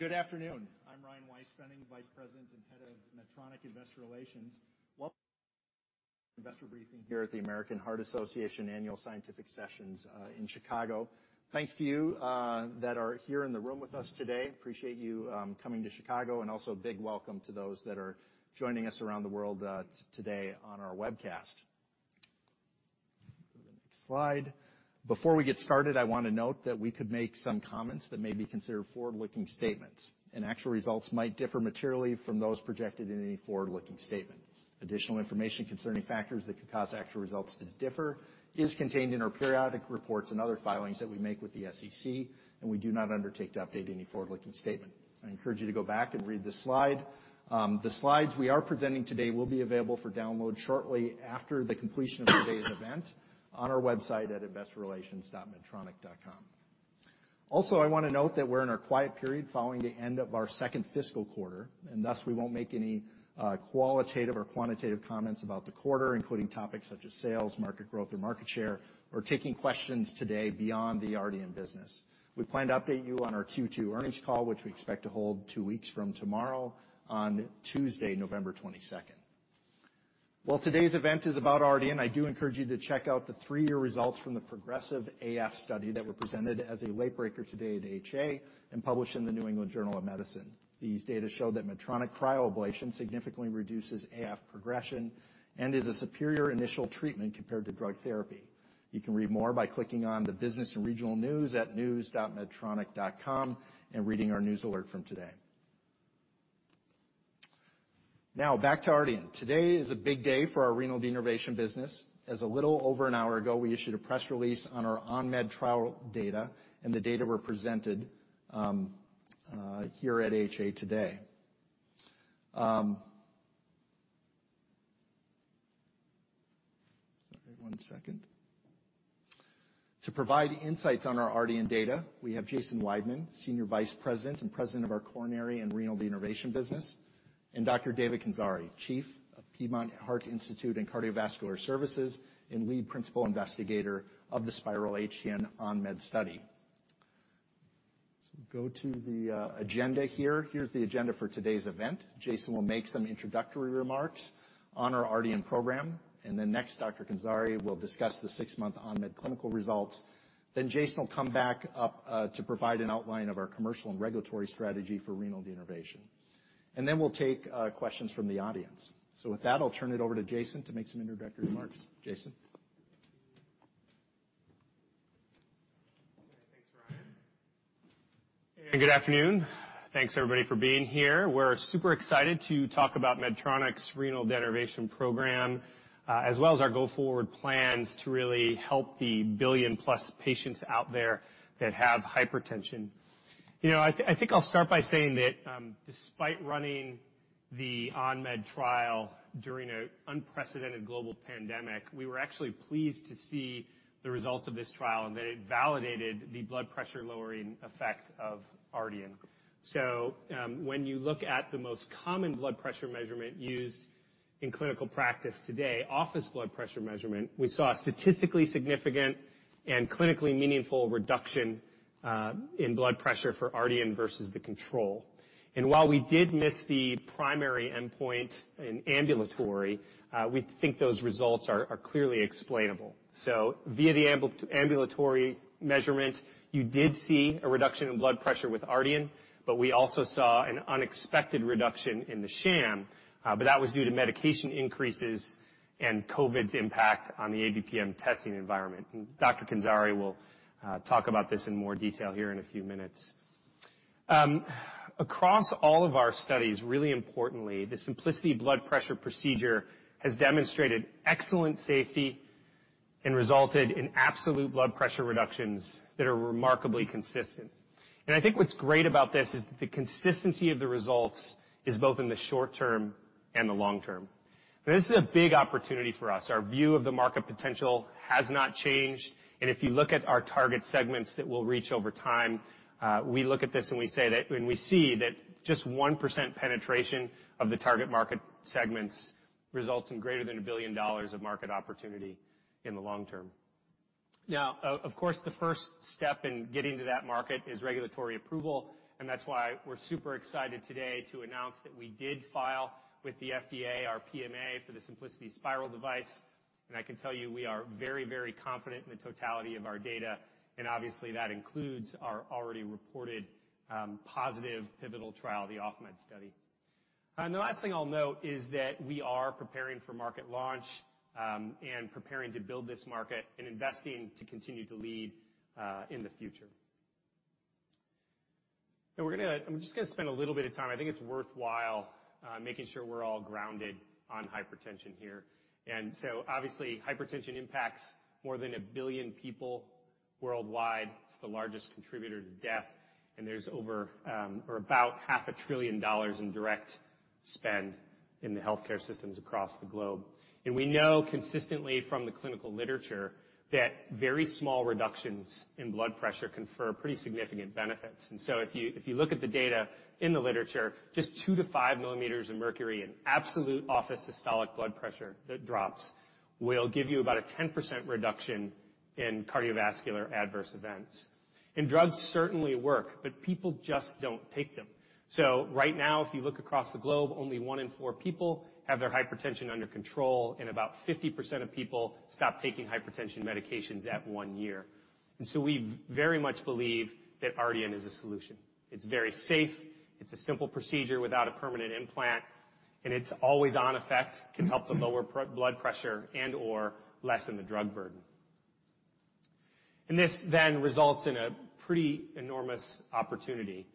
Good afternoon. I am Ryan Weispfenning, Managing Vice President and Head of Medtronic Investor Relations. Welcome to the investor briefing here at the American Heart Association Annual Scientific Sessions in Chicago. Thanks to you that are here in the room with us today. Appreciate you coming to Chicago, and also a big welcome to those that are joining us around the world today on our webcast. Go to the next slide. Before we get started, I want to note that we could make some comments that may be considered forward-looking statements, actual results might differ materially from those projected in any forward-looking statement. Additional information concerning factors that could cause actual results to differ is contained in our periodic reports and other filings that we make with the SEC, we do not undertake to update any forward-looking statement. I encourage you to go back and read this slide. The slides we are presenting today will be available for download shortly after the completion of today's event on our website at investorrelations.medtronic.com. I want to note that we're in our quiet period following the end of our second fiscal quarter, thus we won't make any qualitative or quantitative comments about the quarter, including topics such as sales, market growth, or market share, or taking questions today beyond the Ardian business. We plan to update you on our Q2 earnings call, which we expect to hold two weeks from tomorrow on Tuesday, November 22nd. While today's event is about Ardian, I do encourage you to check out the three-year results from the PROGRESSIVE-AF study that were presented as a late breaker today at AHA and published in the New England Journal of Medicine. These data show that Medtronic cryoablation significantly reduces AF progression and is a superior initial treatment compared to drug therapy. You can read more by clicking on the business and regional news at news.medtronic.com and reading our news alert from today. Back to Ardian. Today is a big day for our renal denervation business, as a little over an hour ago, we issued a press release on our ONMED trial data and the data were presented here at AHA today. Sorry, one second. To provide insights on our Ardian data, we have Jason Weidman, Senior Vice President and President of our coronary and renal denervation business, and Dr. David Kandzari, Chief of Piedmont Heart Institute and Cardiovascular Services, and lead principal investigator of the SPYRAL HTN-ON MED study. Here's the agenda for today's event. Jason will make some introductory remarks on our Ardian program. Next, Dr. Kandzari will discuss the six-month ONMED clinical results. Jason will come back up to provide an outline of our commercial and regulatory strategy for renal denervation. We'll take questions from the audience. With that, I'll turn it over to Jason to make some introductory remarks. Jason. Okay, thanks, Ryan. Good afternoon. Thanks, everybody, for being here. We're super excited to talk about Medtronic's renal denervation program, as well as our go-forward plans to really help the billion-plus patients out there that have hypertension. I think I'll start by saying that, despite running the ONMED trial during an unprecedented global pandemic, we were actually pleased to see the results of this trial and that it validated the blood pressure-lowering effect of Ardian. When you look at the most common blood pressure measurement used in clinical practice today, office blood pressure measurement, we saw a statistically significant and clinically meaningful reduction in blood pressure for Ardian versus the control. While we did miss the primary endpoint in ambulatory, we think those results are clearly explainable. Via the ambulatory measurement, you did see a reduction in blood pressure with Ardian, but we also saw an unexpected reduction in the sham, but that was due to medication increases and COVID's impact on the ABPM testing environment. Dr. Kandzari will talk about this in more detail here in a few minutes. Across all of our studies, really importantly, the Symplicity blood pressure procedure has demonstrated excellent safety and resulted in absolute blood pressure reductions that are remarkably consistent. I think what's great about this is that the consistency of the results is both in the short term and the long term. This is a big opportunity for us. Our view of the market potential has not changed, if you look at our target segments that we'll reach over time, we look at this and we say that when we see that just 1% penetration of the target market segments results in greater than $1 billion of market opportunity in the long term. Of course, the first step in getting to that market is regulatory approval, that's why we're super excited today to announce that we did file with the FDA our PMA for the Symplicity Spyral device. I can tell you, we are very confident in the totality of our data, obviously, that includes our already reported positive pivotal trial, the OFFMED study. The last thing I'll note is that we are preparing for market launch, preparing to build this market, and investing to continue to lead in the future. I'm just going to spend a little bit of time. I think it's worthwhile making sure we're all grounded on hypertension here. Obviously, hypertension impacts more than 1 billion people worldwide. It's the largest contributor to death, there's over or about half a trillion dollars in direct spend in the healthcare systems across the globe. We know consistently from the clinical literature that very small reductions in blood pressure confer pretty significant benefits. If you look at the data in the literature, just 2 to 5 millimeters of mercury in absolute office systolic blood pressure that drops will give you about a 10% reduction in cardiovascular adverse events. Drugs certainly work, but people just don't take them. Right now, if you look across the globe, only one in four people have their hypertension under control, and about 50% of people stop taking hypertension medications at one year. We very much believe that Ardian is a solution. It's very safe. It's a simple procedure without a permanent implant, and its always-on effect can help to lower blood pressure and/or lessen the drug burden. This then results in a pretty enormous opportunity.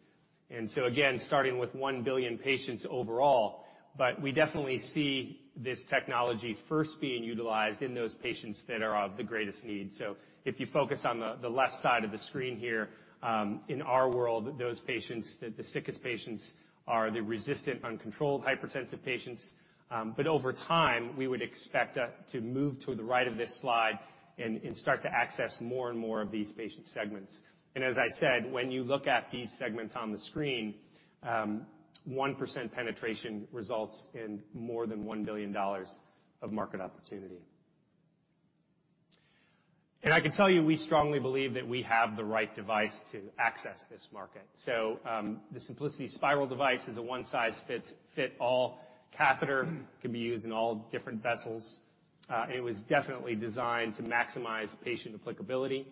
Again, starting with 1 billion patients overall, but we definitely see this technology first being utilized in those patients that are of the greatest need. If you focus on the left side of the screen here, in our world, those patients, the sickest patients, are the resistant, uncontrolled hypertensive patients. Over time, we would expect to move to the right of this slide and start to access more and more of these patient segments. As I said, when you look at these segments on the screen, 1% penetration results in more than $1 billion of market opportunity. I can tell you, we strongly believe that we have the right device to access this market. The Symplicity Spyral device is a one-size-fits-all catheter, can be used in all different vessels. It was definitely designed to maximize patient applicability.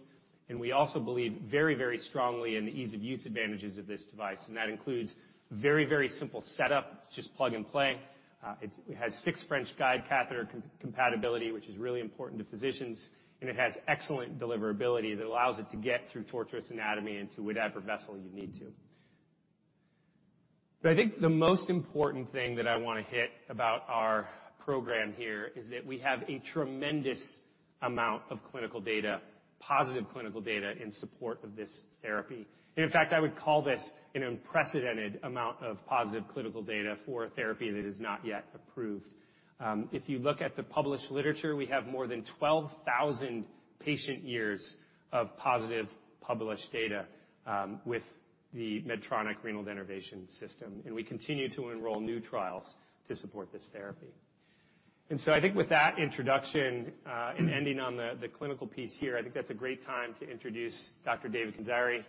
We also believe very strongly in the ease-of-use advantages of this device. That includes very simple setup. It's just plug and play. It has six French guide catheter compatibility, which is really important to physicians, and it has excellent deliverability that allows it to get through torturous anatomy into whatever vessel you need to. I think the most important thing that I want to hit about our program here is that we have a tremendous amount of clinical data, positive clinical data in support of this therapy. In fact, I would call this an unprecedented amount of positive clinical data for a therapy that is not yet approved. If you look at the published literature, we have more than 12,000 patient years of positive published data, with the Medtronic renal denervation system. We continue to enroll new trials to support this therapy. I think with that introduction, and ending on the clinical piece here, I think that's a great time to introduce Dr. David Kandzari.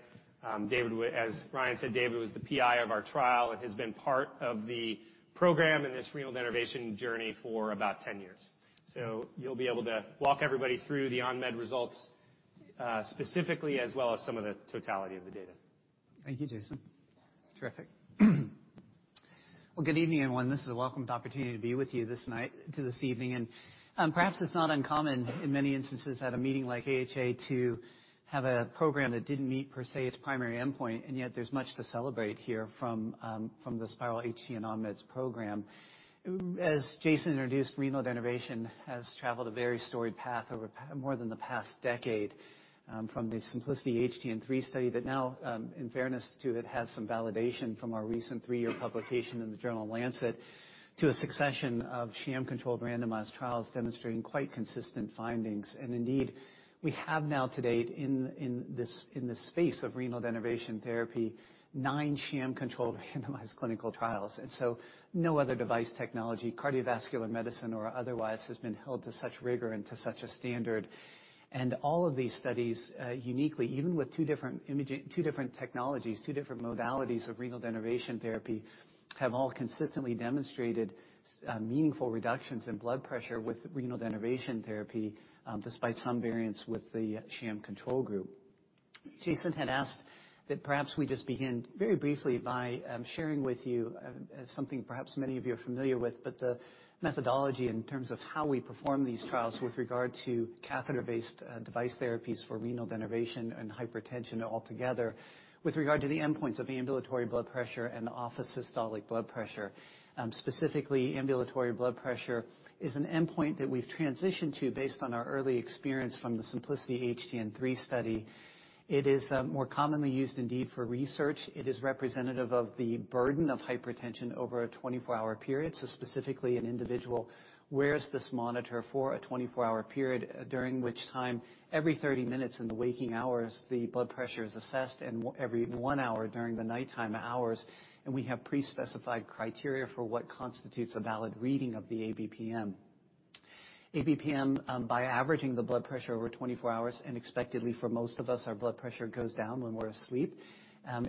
As Ryan said, David was the PI of our trial and has been part of the program and this renal denervation journey for about 10 years. You'll be able to walk everybody through the ON-MED results, specifically as well as some of the totality of the data. Thank you, Jason. Terrific. Good evening, everyone. This is a welcomed opportunity to be with you this evening. Perhaps it's not uncommon in many instances at a meeting like AHA to have a program that didn't meet per se, its primary endpoint, yet there's much to celebrate here from the SPYRAL HTN-ON MED program. As Jason introduced, renal denervation has traveled a very storied path over more than the past decade, from the Symplicity HTN-3 study that now, in fairness to it, has some validation from our recent three-year publication in the journal "Lancet," to a succession of sham-controlled randomized trials demonstrating quite consistent findings. Indeed, we have now to date in the space of renal denervation therapy, nine sham-controlled randomized clinical trials. No other device technology, cardiovascular medicine or otherwise, has been held to such rigor and to such a standard. All of these studies, uniquely, even with two different technologies, two different modalities of renal denervation therapy, have all consistently demonstrated meaningful reductions in blood pressure with renal denervation therapy, despite some variance with the sham control group. Jason had asked that perhaps we just begin very briefly by sharing with you something perhaps many of you are familiar with, but the methodology in terms of how we perform these trials with regard to catheter-based device therapies for renal denervation and hypertension altogether, with regard to the endpoints of the ambulatory blood pressure and the office systolic blood pressure. Specifically, ambulatory blood pressure is an endpoint that we've transitioned to based on our early experience from the Symplicity HTN-3 study. It is more commonly used indeed for research. It is representative of the burden of hypertension over a 24-hour period. Specifically, an individual wears this monitor for a 24-hour period, during which time every 30 minutes in the waking hours, the blood pressure is assessed, and every one hour during the nighttime hours. We have pre-specified criteria for what constitutes a valid reading of the ABPM. ABPM, by averaging the blood pressure over 24 hours, expectedly for most of us, our blood pressure goes down when we're asleep,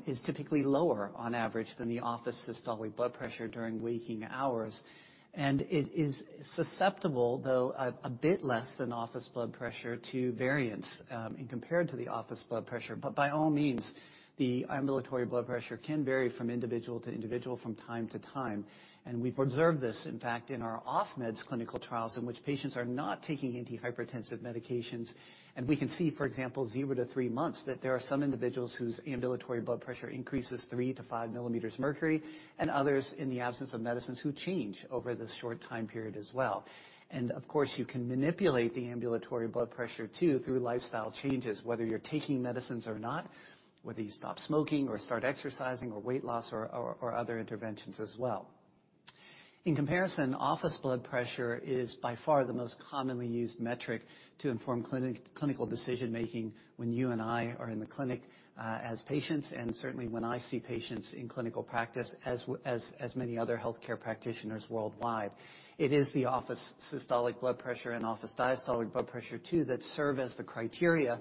is typically lower on average than the office systolic blood pressure during waking hours. It is susceptible, though a bit less than office blood pressure, to variance and compared to the office blood pressure. By all means, the ambulatory blood pressure can vary from individual to individual from time to time. We've observed this, in fact, in our OFF-MEDS clinical trials in which patients are not taking antihypertensive medications. We can see, for example, zero to three months, that there are some individuals whose ambulatory blood pressure increases three to five millimeters mercury, and others in the absence of medicines who change over this short time period as well. Of course, you can manipulate the ambulatory blood pressure too through lifestyle changes, whether you're taking medicines or not, whether you stop smoking or start exercising or weight loss or other interventions as well. In comparison, office blood pressure is by far the most commonly used metric to inform clinical decision-making when you and I are in the clinic as patients, and certainly when I see patients in clinical practice, as many other healthcare practitioners worldwide. It is the office systolic blood pressure and office diastolic blood pressure too that serve as the criteria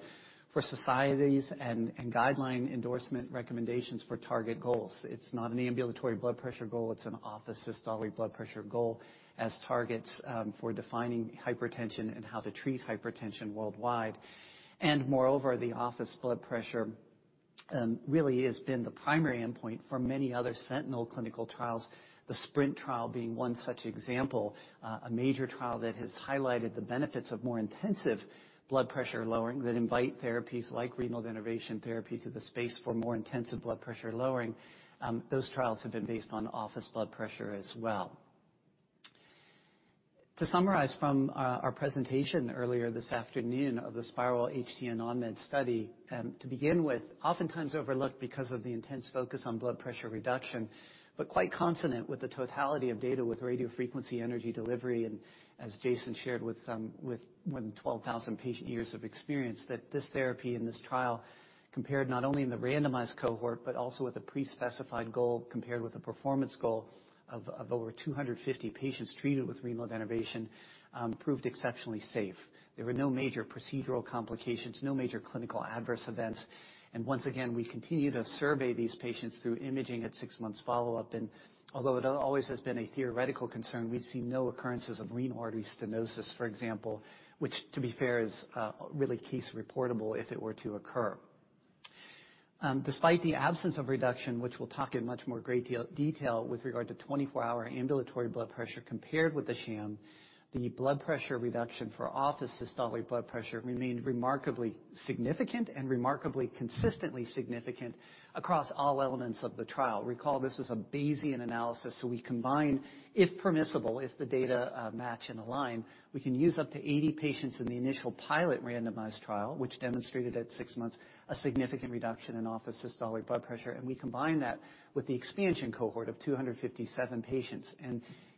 for societies and guideline endorsement recommendations for target goals. It's not an ambulatory blood pressure goal. It's an office systolic blood pressure goal as targets for defining hypertension and how to treat hypertension worldwide. Moreover, the office blood pressure really has been the primary endpoint for many other sentinel clinical trials, the SPRINT trial being one such example. A major trial that has highlighted the benefits of more intensive blood pressure lowering that invite therapies like renal denervation therapy to the space for more intensive blood pressure lowering. Those trials have been based on office blood pressure as well. To summarize from our presentation earlier this afternoon of the SPYRAL HTN-ON MED study. To begin with, oftentimes overlooked because of the intense focus on blood pressure reduction, but quite consonant with the totality of data with radiofrequency energy delivery, as Jason shared with more than 12,000 patient years of experience, that this therapy and this trial, compared not only in the randomized cohort but also with a pre-specified goal, compared with a performance goal of over 250 patients treated with renal denervation, proved exceptionally safe. There were no major procedural complications, no major clinical adverse events. Once again, we continue to survey these patients through imaging at six months follow-up. Although it always has been a theoretical concern, we see no occurrences of renal artery stenosis, for example, which, to be fair, is really case reportable if it were to occur. Despite the absence of reduction, which we'll talk in much more great detail with regard to 24-hour ambulatory blood pressure compared with the sham, the blood pressure reduction for office systolic blood pressure remained remarkably significant and remarkably consistently significant across all elements of the trial. Recall, this is a Bayesian analysis, so we combine, if permissible, if the data match and align, we can use up to 80 patients in the initial pilot randomized trial, which demonstrated at six months a significant reduction in office systolic blood pressure. We combine that with the expansion cohort of 257 patients.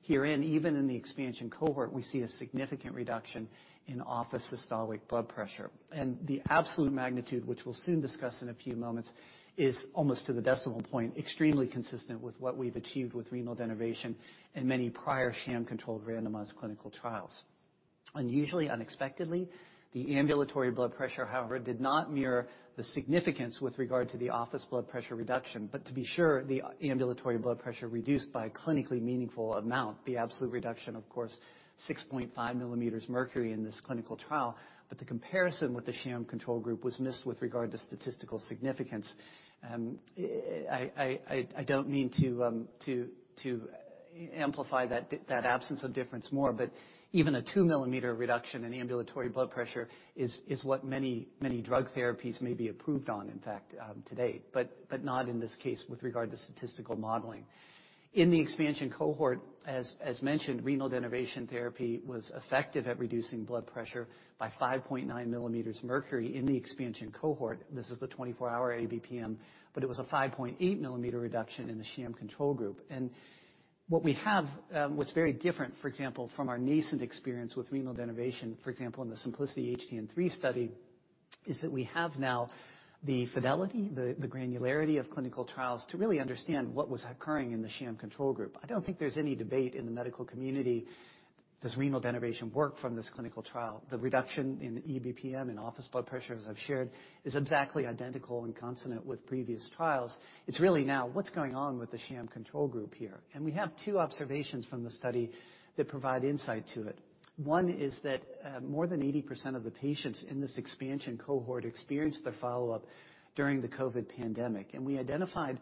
Herein, even in the expansion cohort, we see a significant reduction in office systolic blood pressure. The absolute magnitude, which we'll soon discuss in a few moments, is almost to the decimal point, extremely consistent with what we've achieved with renal denervation in many prior sham-controlled randomized clinical trials. Unusually, unexpectedly, the ambulatory blood pressure, however, did not mirror the significance with regard to the office blood pressure reduction. To be sure, the ambulatory blood pressure reduced by a clinically meaningful amount. The absolute reduction, of course, 6.5 millimeters mercury in this clinical trial. The comparison with the sham control group was missed with regard to statistical significance. I don't mean to amplify that absence of difference more, but even a two-millimeter reduction in ambulatory blood pressure is what many drug therapies may be approved on, in fact, today. Not in this case with regard to statistical modeling. In the expansion cohort, as mentioned, renal denervation therapy was effective at reducing blood pressure by 5.9 millimeters mercury in the expansion cohort. This is the 24-hour ABPM, but it was a 5.8 millimeter reduction in the sham control group. What's very different, for example, from our nascent experience with renal denervation, for example, in the SYMPLICITY HTN-3 study, is that we have now the fidelity, the granularity of clinical trials to really understand what was occurring in the sham control group. I don't think there's any debate in the medical community, does renal denervation work from this clinical trial? The reduction in the ABPM and office blood pressure, as I've shared, is exactly identical and consonant with previous trials. It's really now what's going on with the sham control group here. We have two observations from the study that provide insight to it. One is that more than 80% of the patients in this expansion cohort experienced their follow-up during the COVID pandemic, and we identified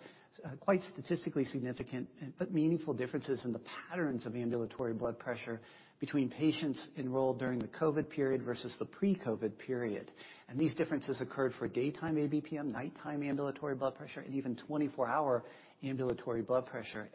quite statistically significant but meaningful differences in the patterns of ambulatory blood pressure between patients enrolled during the COVID period versus the pre-COVID period. These differences occurred for daytime ABPM, nighttime ambulatory blood pressure, and even 24-hour ambulatory blood pressure.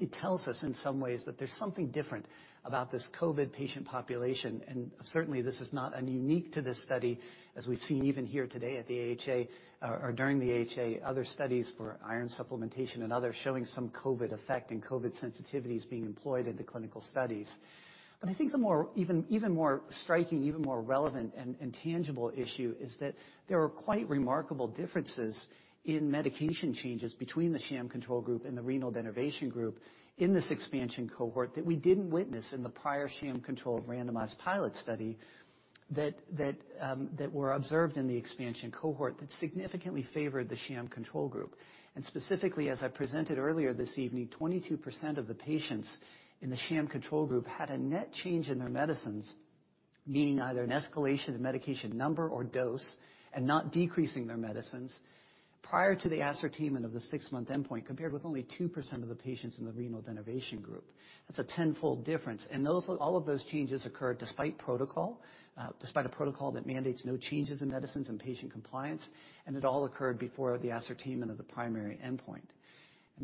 It tells us in some ways that there's something different about this COVID patient population. Certainly, this is not unique to this study, as we've seen even here today at the AHA or during the AHA, other studies for iron supplementation and others showing some COVID effect and COVID sensitivities being employed in the clinical studies. I think the even more striking, even more relevant and tangible issue is that there are quite remarkable differences in medication changes between the sham control group and the renal denervation group in this expansion cohort that we didn't witness in the prior sham-controlled randomized pilot study that were observed in the expansion cohort that significantly favored the sham control group. Specifically, as I presented earlier this evening, 22% of the patients in the sham control group had a net change in their medicines, meaning either an escalation of medication number or dose and not decreasing their medicines prior to the ascertainment of the six-month endpoint, compared with only 2% of the patients in the renal denervation group. That's a tenfold difference, all of those changes occurred despite a protocol that mandates no changes in medicines and patient compliance, it all occurred before the ascertainment of the primary endpoint.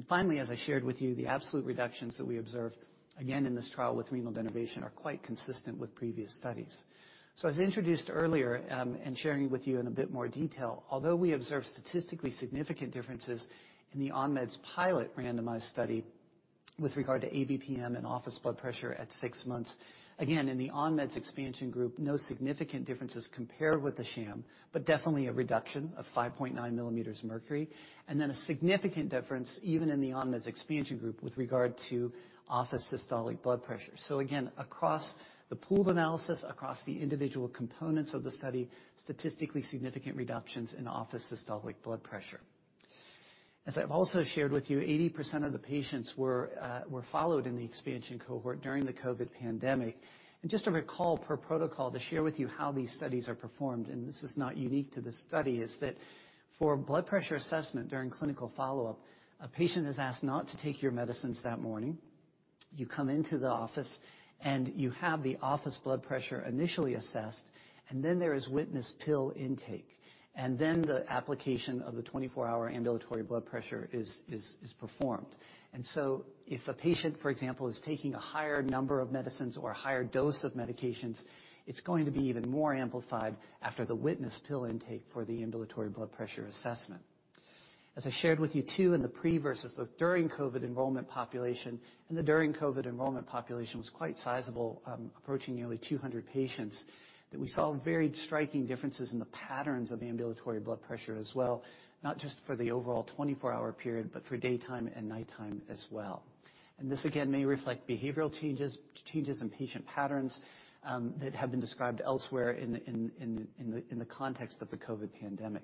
Finally, as I shared with you, the absolute reductions that we observed, again in this trial with renal denervation, are quite consistent with previous studies. As introduced earlier, and sharing with you in a bit more detail, although we observed statistically significant differences in the ONMED pilot randomized study with regard to ABPM and office blood pressure at six months. Again, in the ONMED expansion group, no significant differences compared with the sham, but definitely a reduction of 5.9 millimeters of mercury, and then a significant difference even in the ONMED expansion group with regard to office systolic blood pressure. Again, across the pooled analysis, across the individual components of the study, statistically significant reductions in office systolic blood pressure. As I've also shared with you, 80% of the patients were followed in the expansion cohort during the COVID pandemic. Just to recall, per protocol, to share with you how these studies are performed, and this is not unique to this study, is that for a blood pressure assessment during clinical follow-up, a patient is asked not to take your medicines that morning. You come into the office, and you have the office blood pressure initially assessed, then there is witness pill intake. Then the application of the 24-hour ambulatory blood pressure is performed. If a patient, for example, is taking a higher number of medicines or a higher dose of medications, it's going to be even more amplified after the witness pill intake for the ambulatory blood pressure assessment. As I shared with you, too, in the pre versus the during COVID enrollment population, the during COVID enrollment population was quite sizable, approaching nearly 200 patients, that we saw very striking differences in the patterns of ambulatory blood pressure as well, not just for the overall 24-hour period, but for daytime and nighttime as well. This, again, may reflect behavioral changes in patient patterns, that have been described elsewhere in the context of the COVID pandemic.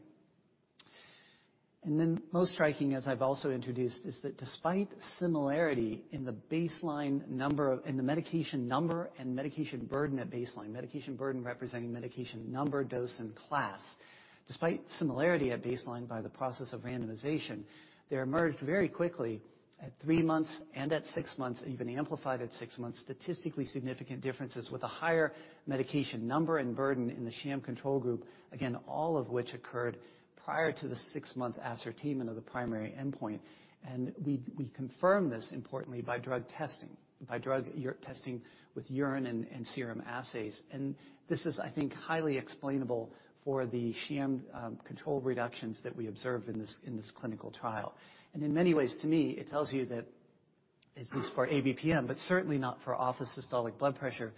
Most striking, as I've also introduced, is that despite similarity in the baseline number— in the medication number and medication burden at baseline, medication burden representing medication number, dose, and class. Despite similarity at baseline by the process of randomization, there emerged very quickly, at three months and at six months, even amplified at six months, statistically significant differences with a higher medication number and burden in the sham control group. Again, all of which occurred prior to the six-month ascertainment of the primary endpoint. We confirmed this importantly by drug testing, by drug testing with urine and serum assays. This is, I think, highly explainable for the sham control reductions that we observed in this clinical trial. In many ways, to me, it tells you that at least for ABPM, but certainly not for office systolic blood pressure,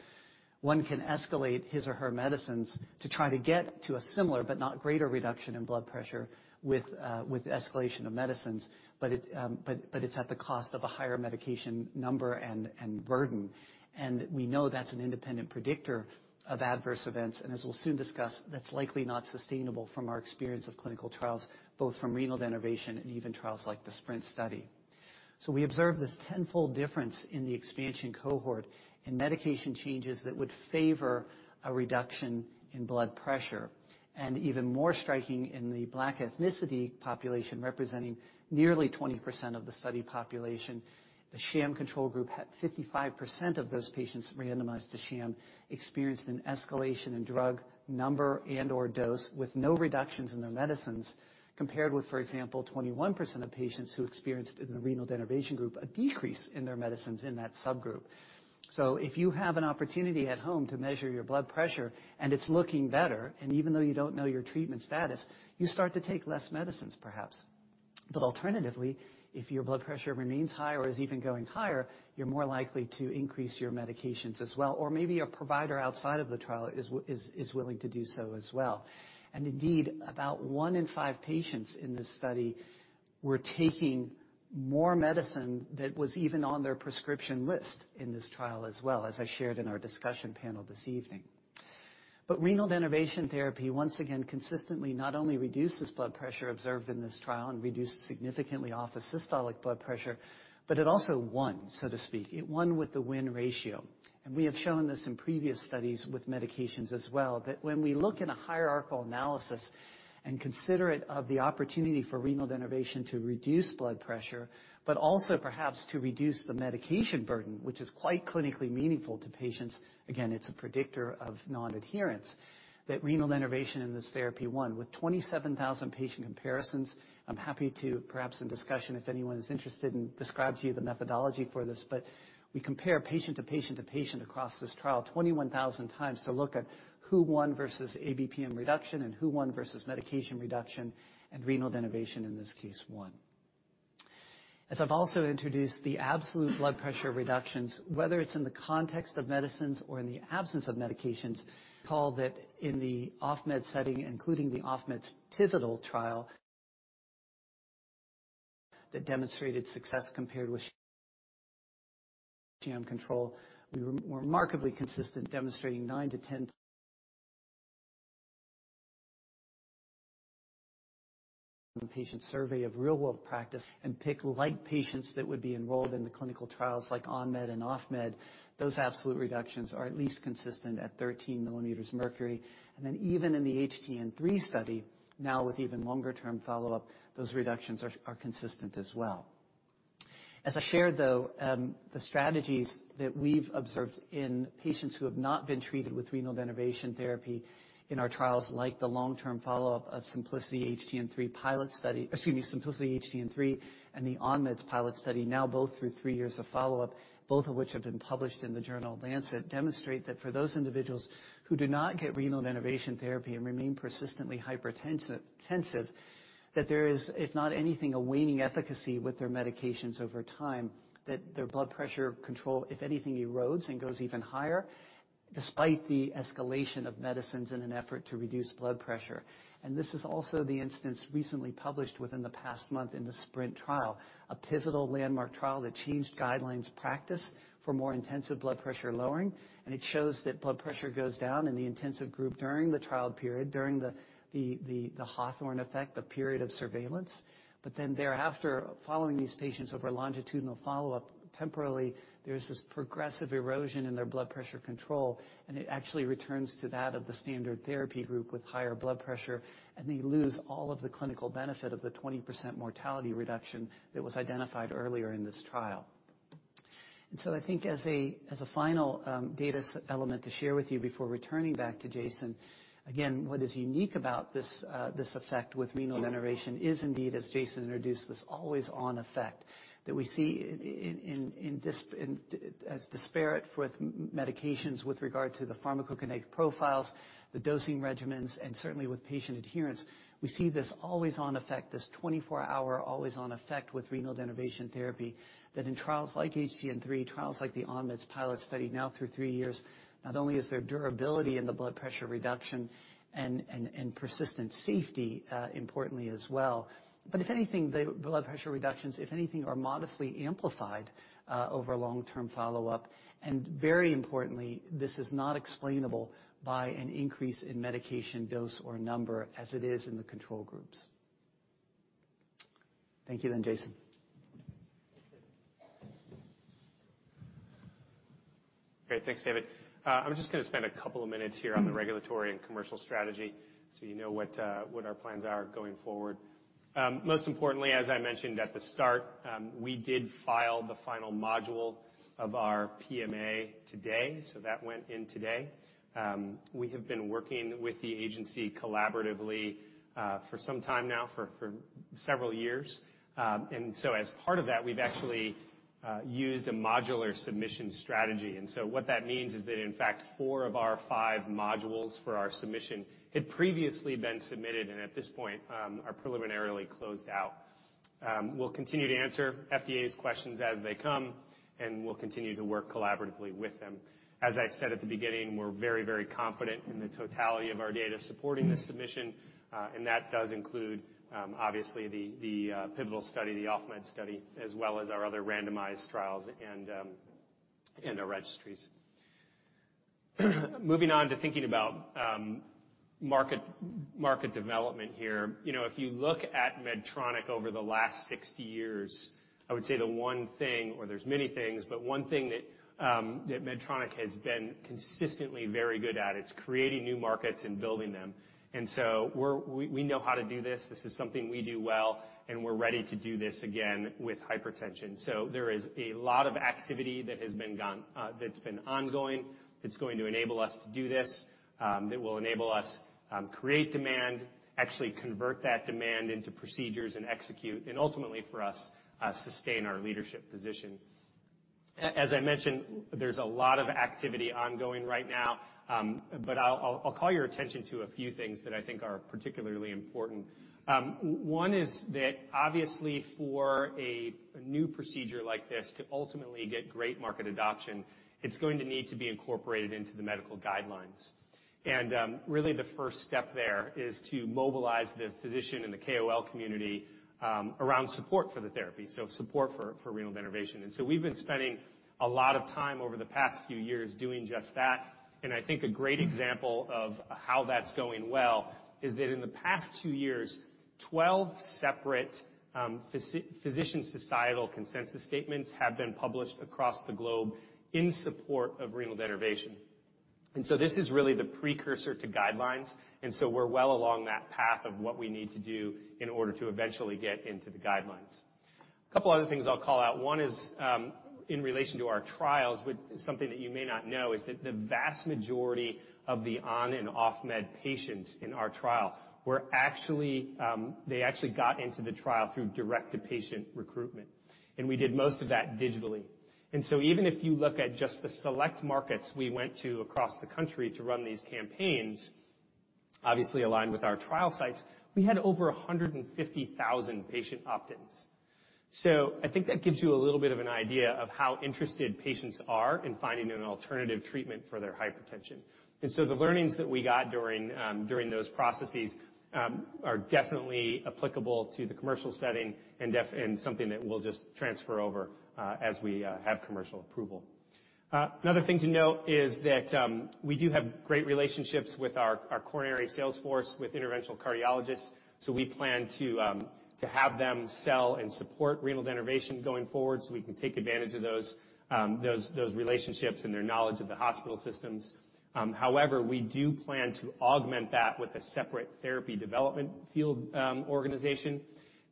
one can escalate his or her medicines to try to get to a similar but not greater reduction in blood pressure with escalation of medicines. It's at the cost of a higher medication number and burden. We know that's an independent predictor of adverse events. As we'll soon discuss, that's likely not sustainable from our experience of clinical trials, both from renal denervation and even trials like the SPRINT study. We observed this tenfold difference in the expansion cohort in medication changes that would favor a reduction in blood pressure, even more striking in the Black ethnicity population, representing nearly 20% of the study population. The sham control group had 55% of those patients randomized to sham, experienced an escalation in drug number and/or dose with no reductions in their medicines, compared with, for example, 21% of patients who experienced in the renal denervation group, a decrease in their medicines in that subgroup. If you have an opportunity at home to measure your blood pressure and it's looking better, even though you don't know your treatment status, you start to take less medicines, perhaps. Alternatively, if your blood pressure remains high or is even going higher, you're more likely to increase your medications as well, or maybe a provider outside of the trial is willing to do so as well. Indeed, about one in five patients in this study were taking more medicine that was even on their prescription list in this trial as well as I shared in our discussion panel this evening. Renal denervation therapy, once again, consistently not only reduces blood pressure observed in this trial and reduces significantly office systolic blood pressure, it also won, so to speak. It won with the win ratio. We have shown this in previous studies with medications as well, that when we look in a hierarchical analysis and consider it of the opportunity for renal denervation to reduce blood pressure, also perhaps to reduce the medication burden, which is quite clinically meaningful to patients, again, it's a predictor of non-adherence, that renal denervation in this therapy won with 27,000 patient comparisons. I'm happy to, perhaps in discussion, if anyone is interested, describe to you the methodology for this. We compare patient to patient to patient across this trial 21,000 times to look at who won versus ABPM reduction and who won versus medication reduction and renal denervation in this case won. As I've also introduced the absolute blood pressure reductions, whether it's in the context of medicines or in the absence of medications, call that in the off-med setting, including the off-med's pivotal trial that demonstrated success compared with sham control. We were remarkably consistent, demonstrating nine to 10. The patient survey of real-world practice and patient-like patients that would be enrolled in the clinical trials like on-med and off-med. Those absolute reductions are at least consistent at 13 millimeters mercury. Even in the HTN-3 study, now with even longer-term follow-up, those reductions are consistent as well. As I shared though, the strategies that we've observed in patients who have not been treated with renal denervation therapy in our trials, like the long-term follow-up of Symplicity HTN-3 and the ON-MEDS pilot study now both through three years of follow-up, both of which have been published in the journal "Lancet," demonstrate that for those individuals who do not get renal denervation therapy and remain persistently hypertensive, there is, if not anything, a waning efficacy with their medications over time, that their blood pressure control, if anything, erodes and goes even higher despite the escalation of medicines in an effort to reduce blood pressure. This is also the instance recently published within the past month in the SPRINT trial, a pivotal landmark trial that changed guidelines practice for more intensive blood pressure lowering. It shows that blood pressure goes down in the intensive group during the trial period, during the Hawthorne effect, the period of surveillance. Thereafter, following these patients over longitudinal follow-up temporarily, there's this progressive erosion in their blood pressure control, and it actually returns to that of the standard therapy group with higher blood pressure, and they lose all of the clinical benefit of the 20% mortality reduction that was identified earlier in this trial. I think as a final data element to share with you before returning back to Jason, again, what is unique about this effect with renal denervation is indeed, as Jason introduced, this always-on effect that we see as disparate with medications with regard to the pharmacokinetic profiles, the dosing regimens, and certainly with patient adherence. We see this always-on effect, this 24-hour always-on effect with renal denervation therapy, that in trials like HTN-3, trials like the ON-MEDS pilot study now through three years, not only is there durability in the blood pressure reduction and persistent safety, importantly as well, but the blood pressure reductions, if anything, are modestly amplified over long-term follow-up. Very importantly, this is not explainable by an increase in medication dose or number as it is in the control groups. Thank you, Jason. Great. Thanks, David. I'm just going to spend a couple of minutes here on the regulatory and commercial strategy so you know what our plans are going forward. Most importantly, as I mentioned at the start, we did file the final module of our PMA today, so that went in today. We have been working with the agency collaboratively for some time now, for several years. As part of that, we've actually used a modular submission strategy. What that means is that, in fact, four of our five modules for our submission had previously been submitted and at this point, are preliminarily closed out. We'll continue to answer FDA's questions as they come, and we'll continue to work collaboratively with them. As I said at the beginning, we're very, very confident in the totality of our data supporting this submission, and that does include, obviously, the pivotal study, the off-med study, as well as our other randomized trials and our registries. Moving on to thinking about market development here. If you look at Medtronic over the last 60 years, I would say the one thing, or there's many things, but one thing that Medtronic has been consistently very good at, it's creating new markets and building them. We know how to do this. This is something we do well, and we're ready to do this again with hypertension. There is a lot of activity that's been ongoing that's going to enable us to do this, that will enable us create demand, actually convert that demand into procedures and execute, and ultimately for us, sustain our leadership position. As I mentioned, there's a lot of activity ongoing right now, I'll call your attention to a few things that I think are particularly important. One is that obviously for a new procedure like this to ultimately get great market adoption, it's going to need to be incorporated into the medical guidelines. Really the first step there is to mobilize the physician and the KOL community around support for the therapy. Support for renal denervation. We've been spending a lot of time over the past few years doing just that, I think a great example of how that's going well is that in the past two years, 12 separate physician societal consensus statements have been published across the globe in support of renal denervation. This is really the precursor to guidelines, we're well along that path of what we need to do in order to eventually get into the guidelines. A couple other things I'll call out. One is in relation to our trials with something that you may not know is that the vast majority of the on- and off-med patients in our trial, they actually got into the trial through direct-to-patient recruitment, we did most of that digitally. Even if you look at just the select markets we went to across the country to run these campaigns, obviously aligned with our trial sites, we had over 150,000 patient opt-ins. I think that gives you a little bit of an idea of how interested patients are in finding an alternative treatment for their hypertension. The learnings that we got during those processes are definitely applicable to the commercial setting and something that we'll just transfer over as we have commercial approval. Another thing to note is that we do have great relationships with our coronary sales force, with interventional cardiologists. We plan to have them sell and support renal denervation going forward so we can take advantage of those relationships and their knowledge of the hospital systems. However, we do plan to augment that with a separate therapy development field organization,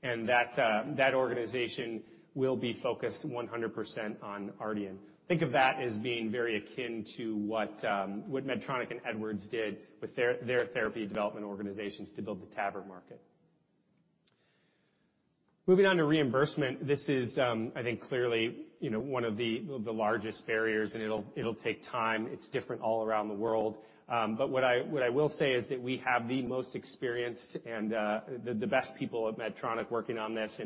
that organization will be focused 100% on Ardian. Think of that as being very akin to what Medtronic and Edwards did with their therapy development organizations to build the TAVR market. Moving on to reimbursement. This is, I think, clearly one of the largest barriers, it'll take time. It's different all around the world. What I will say is that we have the most experienced and the best people at Medtronic working on this,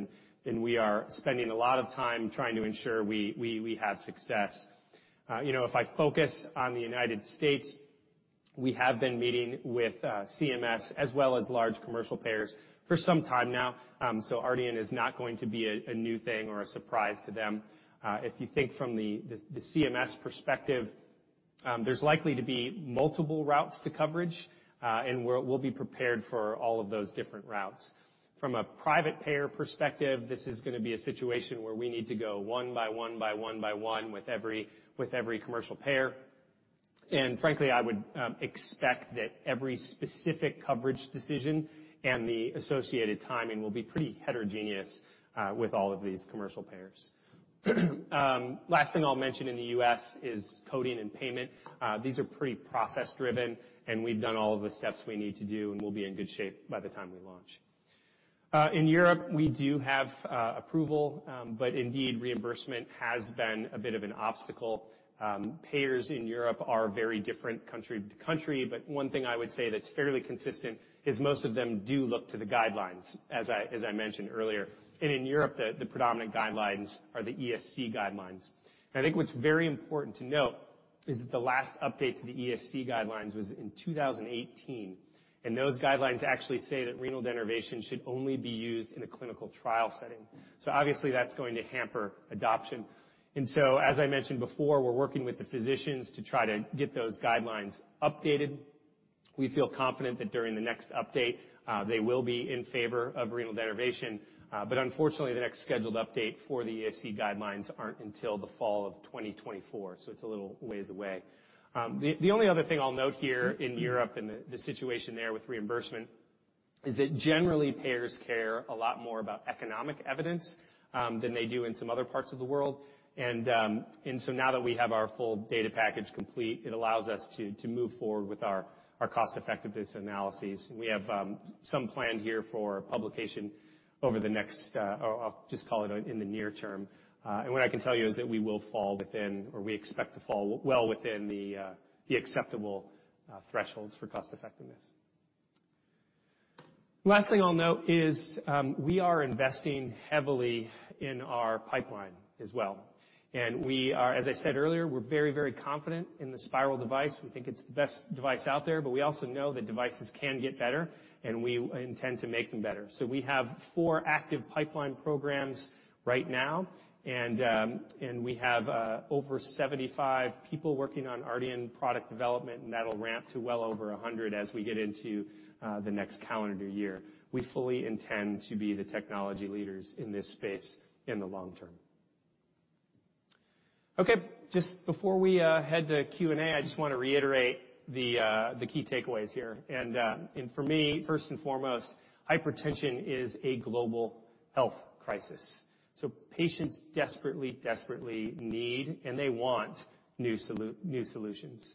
we are spending a lot of time trying to ensure we have success. If I focus on the United States, we have been meeting with CMS as well as large commercial payers for some time now. Ardian is not going to be a new thing or a surprise to them. If you think from the CMS perspective, there's likely to be multiple routes to coverage, we'll be prepared for all of those different routes. From a private payer perspective, this is going to be a situation where we need to go one by one by one by one with every commercial payer. Frankly, I would expect that every specific coverage decision and the associated timing will be pretty heterogeneous with all of these commercial payers. Last thing I'll mention in the U.S. is coding and payment. These are pretty process-driven, we've done all of the steps we need to do, we'll be in good shape by the time we launch. In Europe, we do have approval, indeed, reimbursement has been a bit of an obstacle. Payers in Europe are very different country to country, one thing I would say that's fairly consistent is most of them do look to the guidelines, as I mentioned earlier. In Europe, the predominant guidelines are the ESC guidelines. I think what's very important to note is that the last update to the ESC guidelines was in 2018, and those guidelines actually say that renal denervation should only be used in a clinical trial setting. Obviously, that's going to hamper adoption. As I mentioned before, we're working with the physicians to try to get those guidelines updated. We feel confident that during the next update, they will be in favor of renal denervation. Unfortunately, the next scheduled update for the ESC guidelines aren't until the fall of 2024, it's a little ways away. The only other thing I'll note here in Europe and the situation there with reimbursement is that generally payers care a lot more about economic evidence than they do in some other parts of the world. Now that we have our full data package complete, it allows us to move forward with our cost-effectiveness analyses. We have some plan here for publication over the next, or I'll just call it in the near term. What I can tell you is that we will fall within or we expect to fall well within the acceptable thresholds for cost-effectiveness. Last thing I'll note is we are investing heavily in our pipeline as well. As I said earlier, we're very, very confident in the Spyral device. We think it's the best device out there, we also know that devices can get better, we intend to make them better. We have four active pipeline programs right now, we have over 75 people working on Ardian product development, that'll ramp to well over 100 as we get into the next calendar year. We fully intend to be the technology leaders in this space in the long term. Okay. Just before we head to Q&A, I just want to reiterate the key takeaways here. For me, first and foremost, hypertension is a global health crisis. Patients desperately need, they want new solutions.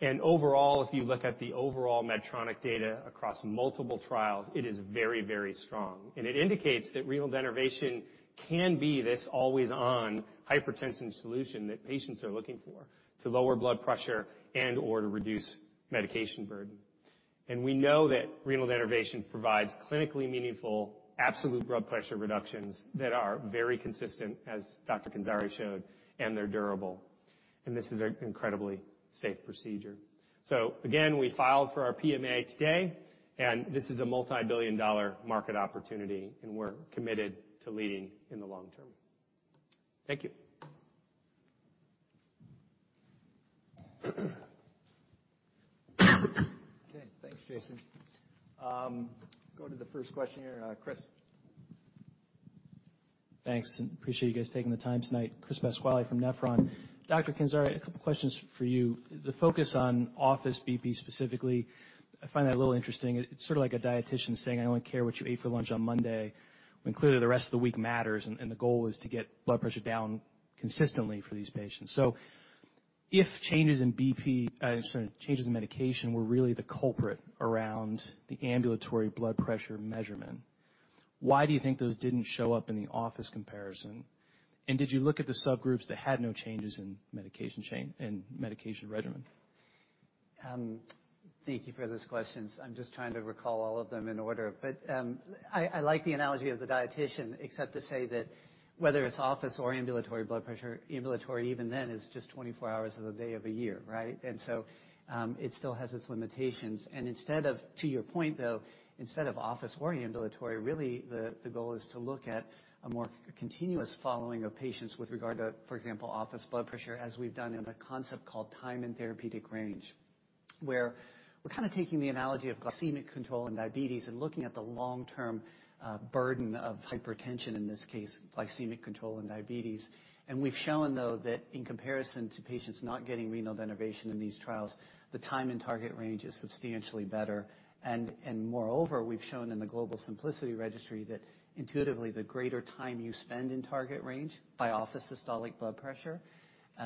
Overall, if you look at the overall Medtronic data across multiple trials, it is very, very strong. It indicates that renal denervation can be this always-on hypertension solution that patients are looking for to lower blood pressure and or to reduce medication burden. We know that renal denervation provides clinically meaningful, absolute blood pressure reductions that are very consistent, as Dr. Kandzari showed, and they're durable. This is an incredibly safe procedure. Again, we filed for our PMA today, this is a multi-billion-dollar market opportunity, we're committed to leading in the long term. Thank you. Okay. Thanks, Jason. Go to the first question here, Chris. Thanks, appreciate you guys taking the time tonight. Chris Pasquale from Nephron. Dr. Kandzari, a couple questions for you. The focus on office BP specifically, I find that a little interesting. It's sort of like a dietician saying, "I only care what you ate for lunch on Monday," when clearly the rest of the week matters, and the goal is to get blood pressure down consistently for these patients. If changes in medication were really the culprit around the ambulatory blood pressure measurement, why do you think those didn't show up in the office comparison? Did you look at the subgroups that had no changes in medication regimen? Thank you for those questions. I'm just trying to recall all of them in order. I like the analogy of the dietician, except to say that whether it's office or ambulatory blood pressure, ambulatory, even then, is just 24 hours of the day of a year, right? It still has its limitations. Instead of, to your point, though, instead of office or ambulatory, really, the goal is to look at a more continuous following of patients with regard to, for example, office blood pressure, as we've done in a concept called time in therapeutic range, where we're kind of taking the analogy of glycemic control in diabetes and looking at the long-term burden of hypertension, in this case, glycemic control in diabetes. We've shown, though, that in comparison to patients not getting renal denervation in these trials, the time in target range is substantially better. Moreover, we've shown in the Global SYMPLICITY Registry that intuitively, the greater time you spend in target range by office systolic blood pressure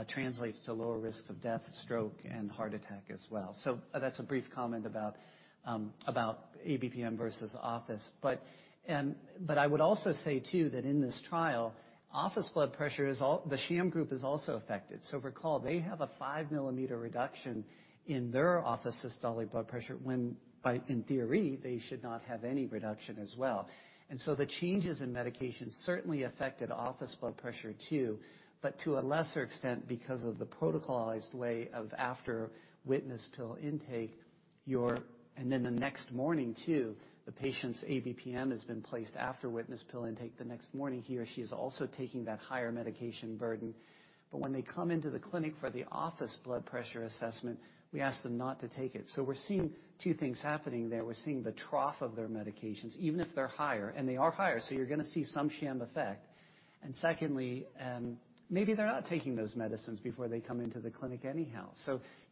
translates to lower risks of death, stroke, and heart attack as well. That's a brief comment about ABPM versus office. I would also say, too, that in this trial, office blood pressure, the sham group is also affected. Recall, they have a five-millimeter reduction in their office systolic blood pressure when in theory, they should not have any reduction as well. The changes in medication certainly affected office blood pressure too, but to a lesser extent because of the protocolized way of after witness pill intake. The next morning too, the patient's ABPM has been placed after witness pill intake. The next morning, he or she is also taking that higher medication burden. When they come into the clinic for the office blood pressure assessment, we ask them not to take it. We're seeing two things happening there. We're seeing the trough of their medications, even if they're higher, and they are higher, you're going to see some sham effect. Secondly, maybe they're not taking those medicines before they come into the clinic anyhow,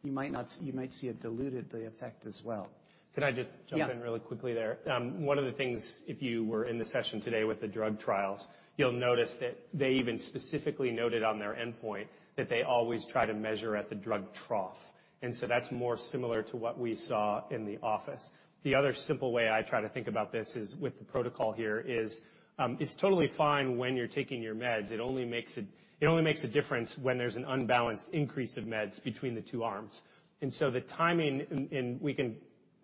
you might see a diluted effect as well. Can I just jump in? Yeah Really quickly there? One of the things, if you were in the session today with the drug trials, you'll notice that they even specifically noted on their endpoint that they always try to measure at the drug trough. That's more similar to what we saw in the office. The other simple way I try to think about this is with the protocol here is, it's totally fine when you're taking your meds. It only makes a difference when there's an unbalanced increase of meds between the two arms. The timing, and we can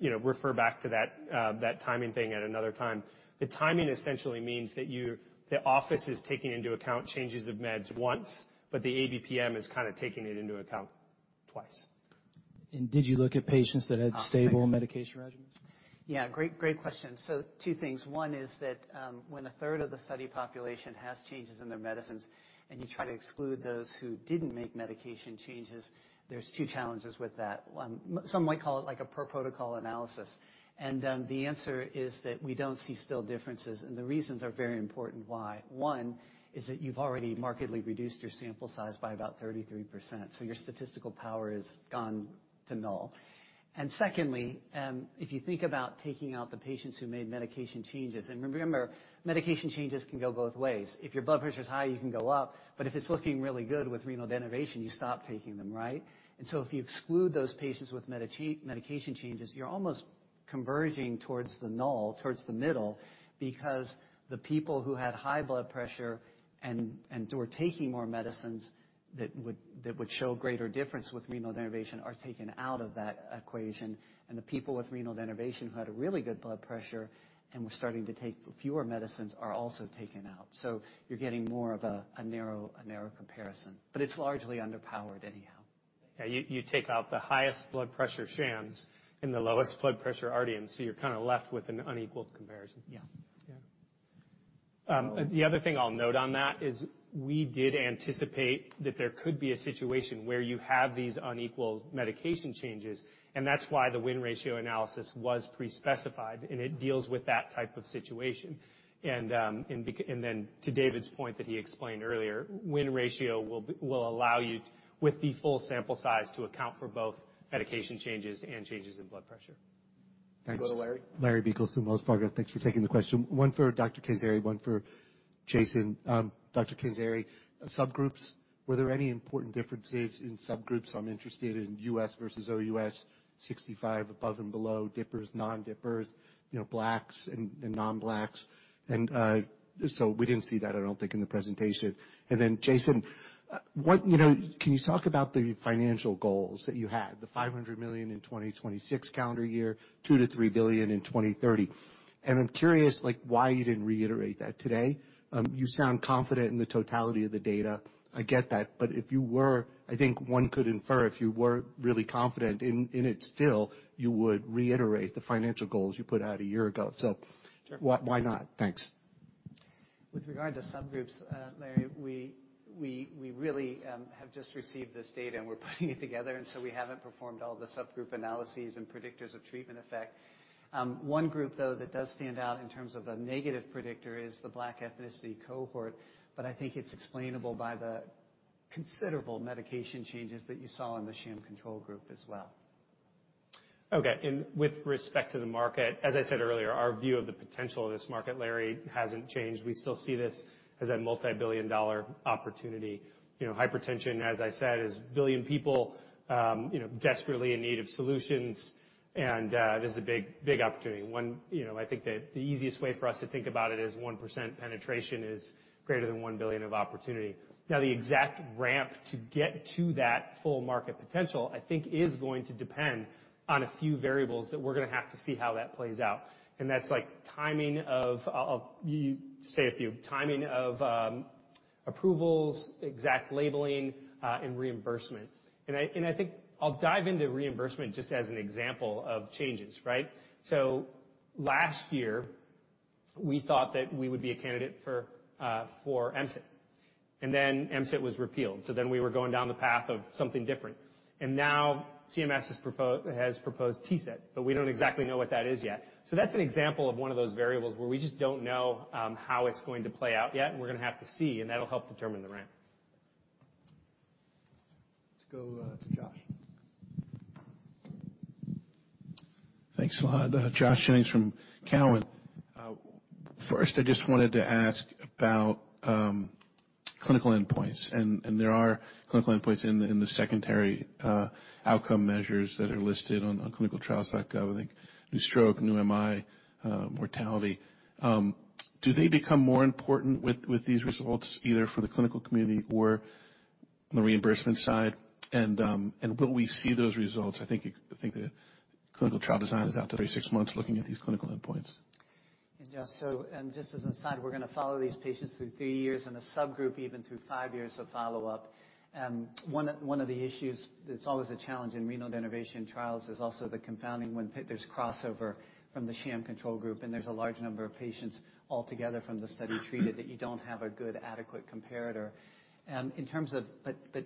refer back to that timing thing at another time. The timing essentially means that the office is taking into account changes of meds once, but the ABPM is kind of taking it into account twice. Did you look at patients that had stable medication regimens? Yeah, great question. Two things. One is that, when a third of the study population has changes in their medicines, and you try to exclude those who didn't make medication changes, there's two challenges with that. One, some might call it like a per protocol analysis. The answer is that we don't see still differences, and the reasons are very important why. One, is that you've already markedly reduced your sample size by about 33%, so your statistical power is gone to null. Secondly, if you think about taking out the patients who made medication changes, and remember, medication changes can go both ways. If your blood pressure's high, you can go up, but if it's looking really good with renal denervation, you stop taking them, right? If you exclude those patients with medication changes, you're almost converging towards the null, towards the middle, because the people who had high blood pressure and who are taking more medicines that would show greater difference with renal denervation are taken out of that equation. The people with renal denervation who had a really good blood pressure and were starting to take fewer medicines are also taken out. You're getting more of a narrow comparison. It's largely underpowered anyhow. Yeah, you take out the highest blood pressure shams and the lowest blood pressure RDNs. You're kind of left with an unequal comparison. Yeah. Yeah. The other thing I'll note on that is we did anticipate that there could be a situation where you have these unequal medication changes, and that's why the win ratio analysis was pre-specified, and it deals with that type of situation. To David's point that he explained earlier, win ratio will allow you, with the full sample size, to account for both medication changes and changes in blood pressure. Thanks. Go to Larry. Larry Biegelsen, Wells Fargo. Thanks for taking the question. One for Dr. Kandzari, one for Jason. Dr. Kandzari, subgroups. Were there any important differences in subgroups? I'm interested in U.S. versus OUS, 65 above and below, dippers, non-dippers, blacks and non-blacks. We didn't see that, I don't think, in the presentation. Jason, can you talk about the financial goals that you had, the $500 million in 2026 calendar year, $2 billion-$3 billion in 2030? I'm curious why you didn't reiterate that today. You sound confident in the totality of the data. I get that, but I think one could infer if you were really confident in it still, you would reiterate the financial goals you put out a year ago. Sure Why not? Thanks. With regard to subgroups, Larry, we really have just received this data, and we're putting it together. We haven't performed all the subgroup analyses and predictors of treatment effect. One group, though, that does stand out in terms of a negative predictor is the black ethnicity cohort, but I think it's explainable by the considerable medication changes that you saw in the sham control group as well. Okay. With respect to the market, as I said earlier, our view of the potential of this market, Larry, hasn't changed. We still see this as a multibillion-dollar opportunity. Hypertension, as I said, is billion people desperately in need of solutions, this is a big opportunity. I think that the easiest way for us to think about it is 1% penetration is greater than $1 billion of opportunity. The exact ramp to get to that full market potential, I think is going to depend on a few variables that we're going to have to see how that plays out. That's like timing of approvals, exact labeling, and reimbursement. I think I'll dive into reimbursement just as an example of changes, right? Last year, we thought that we would be a candidate for MCIT was repealed, we were going down the path of something different. Now CMS has proposed TCET, we don't exactly know what that is yet. That's an example of one of those variables where we just don't know how it's going to play out yet, we're going to have to see, that'll help determine the ramp. Let's go to Josh. Thanks a lot. Josh Jennings from Cowen. First, I just wanted to ask about clinical endpoints, there are clinical endpoints in the secondary outcome measures that are listed on clinicaltrials.gov, I think new stroke, new MI, mortality. Do they become more important with these results, either for the clinical community or on the reimbursement side? Will we see those results? I think the clinical trial design is out to 36 months looking at these clinical endpoints. Yeah. Just as an aside, we're going to follow these patients through 3 years, and a subgroup even through 5 years of follow-up. One of the issues that's always a challenge in renal denervation trials is also the confounding when there's crossover from the sham control group, and there's a large number of patients altogether from the study treated that you don't have a good adequate comparator.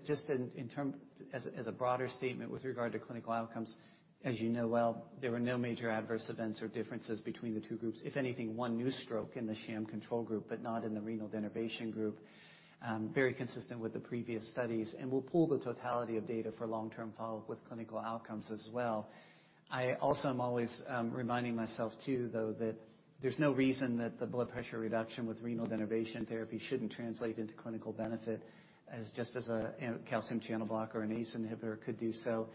Just as a broader statement with regard to clinical outcomes, as you know well, there were no major adverse events or differences between the 2 groups. If anything, one new stroke in the sham control group, but not in the renal denervation group. Very consistent with the previous studies. We'll pool the totality of data for long-term follow-up with clinical outcomes as well. I also am always reminding myself too, though, that there's no reason that the blood pressure reduction with renal denervation therapy shouldn't translate into clinical benefit, just as a calcium channel blocker, an ACE inhibitor could do so.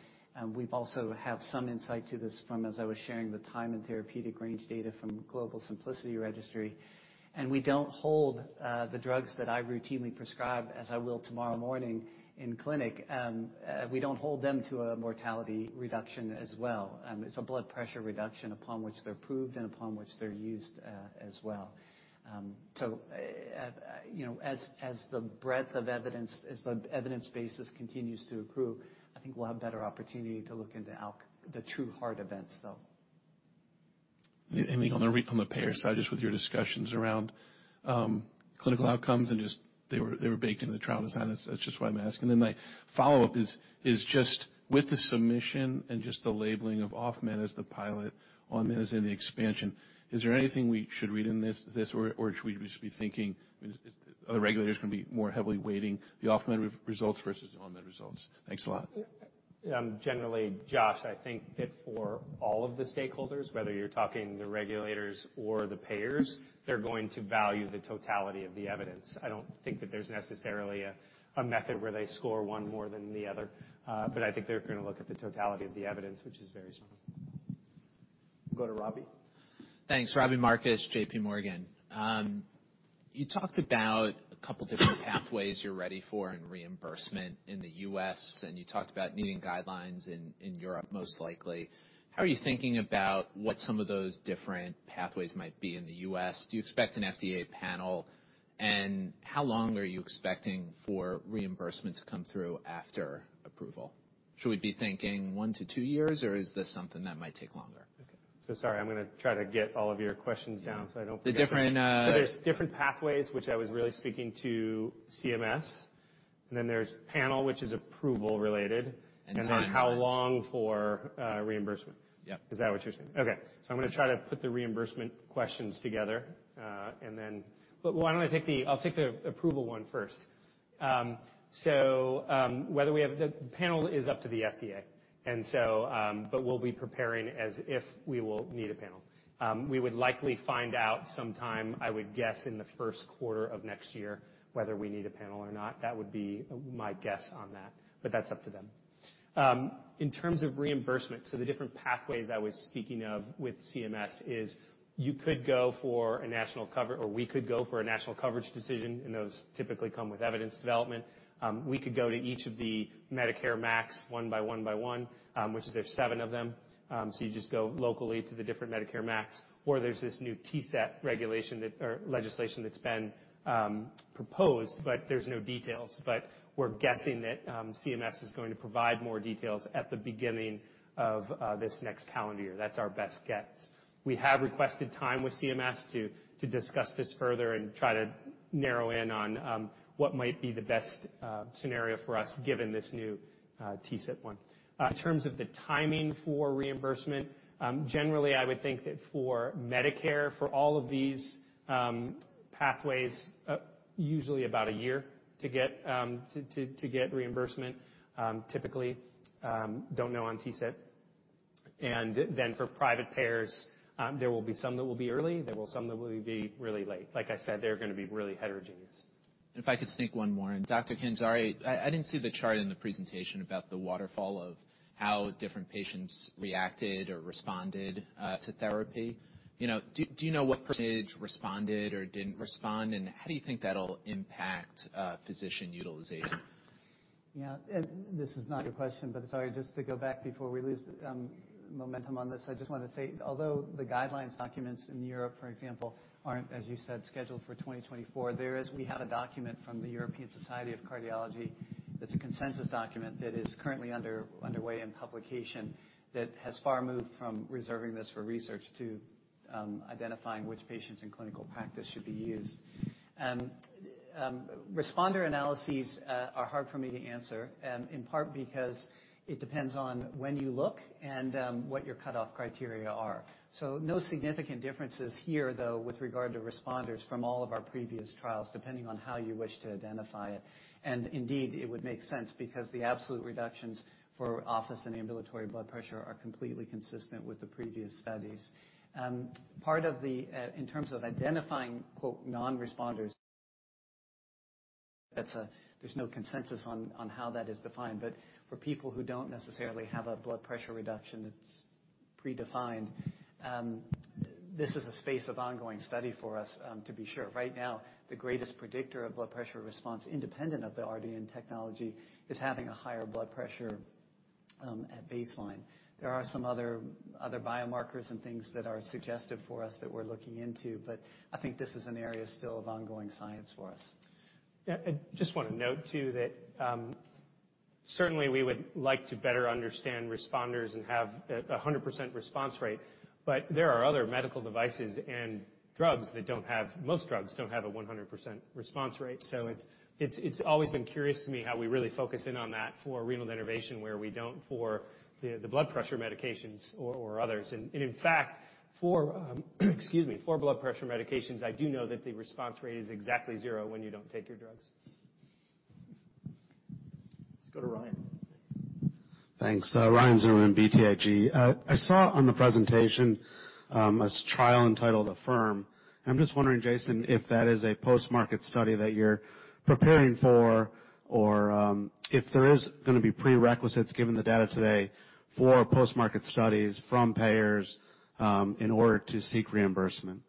We also have some insight to this from, as I was sharing, the time and therapeutic range data from Global SYMPLICITY Registry. We don't hold the drugs that I routinely prescribe, as I will tomorrow morning in clinic, we don't hold them to a mortality reduction as well. It's a blood pressure reduction upon which they're approved and upon which they're used as well. As the breadth of evidence, as the evidence base continues to accrue, I think we'll have better opportunity to look into the true heart events, though. On the payer side, just with your discussions around clinical outcomes and just they were baked in the trial design. That's just why I'm asking. My follow-up is just with the submission and just the labeling of OFF-MED as the pilot, ON-MED as in the expansion, is there anything we should read in this or should we just be thinking are the regulators going to be more heavily weighting the OFF-MED results versus ON-MED results? Thanks a lot. Generally, Josh, I think that for all of the stakeholders, whether you're talking the regulators or the payers, they're going to value the totality of the evidence. I don't think that there's necessarily a method where they score one more than the other. I think they're going to look at the totality of the evidence, which is very strong. Go to Robbie. Thanks. Robbie Marcus, JPMorgan. You talked about a couple different pathways you're ready for in reimbursement in the U.S., and you talked about needing guidelines in Europe, most likely. How are you thinking about what some of those different pathways might be in the U.S.? Do you expect an FDA panel, and how long are you expecting for reimbursement to come through after approval? Should we be thinking one to two years, or is this something that might take longer? Okay. Sorry, I'm going to try to get all of your questions down so I don't- The different- There's different pathways, which I was really speaking to CMS, and then there's panel, which is approval related. Timelines. How long for reimbursement. Yep. Is that what you're saying? Okay. I'm going to try to put the reimbursement questions together. Why don't I take the approval one first. The panel is up to the FDA, but we'll be preparing as if we will need a panel. We would likely find out sometime, I would guess, in the first quarter of next year, whether we need a panel or not. That would be my guess on that, but that's up to them. In terms of reimbursement, the different pathways I was speaking of with CMS is you could go for a national cover, or we could go for a national coverage decision, and those typically come with evidence development. We could go to each of the Medicare MACs one by one by one, which there's seven of them. You just go locally to the different Medicare MACs, or there's this new TCET regulation or legislation that's been proposed, but there's no details. We're guessing that CMS is going to provide more details at the beginning of this next calendar year. That's our best guess. We have requested time with CMS to discuss this further and try to narrow in on what might be the best scenario for us given this new TCET one. In terms of the timing for reimbursement, generally, I would think that for Medicare, for all of these pathways, usually about one year to get reimbursement, typically. Don't know on TCET. For private payers, there will be some that will be early. There will some that will be really late. Like I said, they're going to be really heterogeneous. If I could sneak one more in. Dr. Kandzari, I didn't see the chart in the presentation about the waterfall of how different patients reacted or responded to therapy. Do you know what % responded or didn't respond, and how do you think that'll impact physician utilization? Yeah. This is not your question, but sorry, just to go back before we lose momentum on this. I just wanted to say, although the guidelines documents in Europe, for example, aren't, as you said, scheduled for 2024, we have a document from the European Society of Cardiology that's a consensus document that is currently underway in publication that has far moved from reserving this for research to identifying which patients in clinical practice should be used. Responder analyses are hard for me to answer, in part because it depends on when you look and what your cutoff criteria are. No significant differences here, though, with regard to responders from all of our previous trials, depending on how you wish to identify it. Indeed, it would make sense because the absolute reductions for office blood pressure and ambulatory blood pressure are completely consistent with the previous studies. In terms of identifying, quote, "non-responders," there's no consensus on how that is defined. For people who don't necessarily have a blood pressure reduction that's predefined, this is a space of ongoing study for us, to be sure. Right now, the greatest predictor of blood pressure response, independent of the RDN technology, is having a higher blood pressure at baseline. There are some other biomarkers and things that are suggested for us that we're looking into, but I think this is an area still of ongoing science for us. Yeah. I just want to note too that, certainly we would like to better understand responders and have 100% response rate, but there are other medical devices and drugs that don't have-- Most drugs don't have a 100% response rate. It's always been curious to me how we really focus in on that for renal denervation, where we don't for the blood pressure medications or others. In fact, excuse me, for blood pressure medications, I do know that the response rate is exactly zero when you don't take your drugs. Let's go to Ryan. Thanks. Ryan Zimmerman, BTIG. I saw on the presentation, a trial entitled AFFIRM. I'm just wondering, Jason, if that is a post-market study that you're preparing for, or if there is going to be prerequisites given the data today for post-market studies from payers in order to seek reimbursement.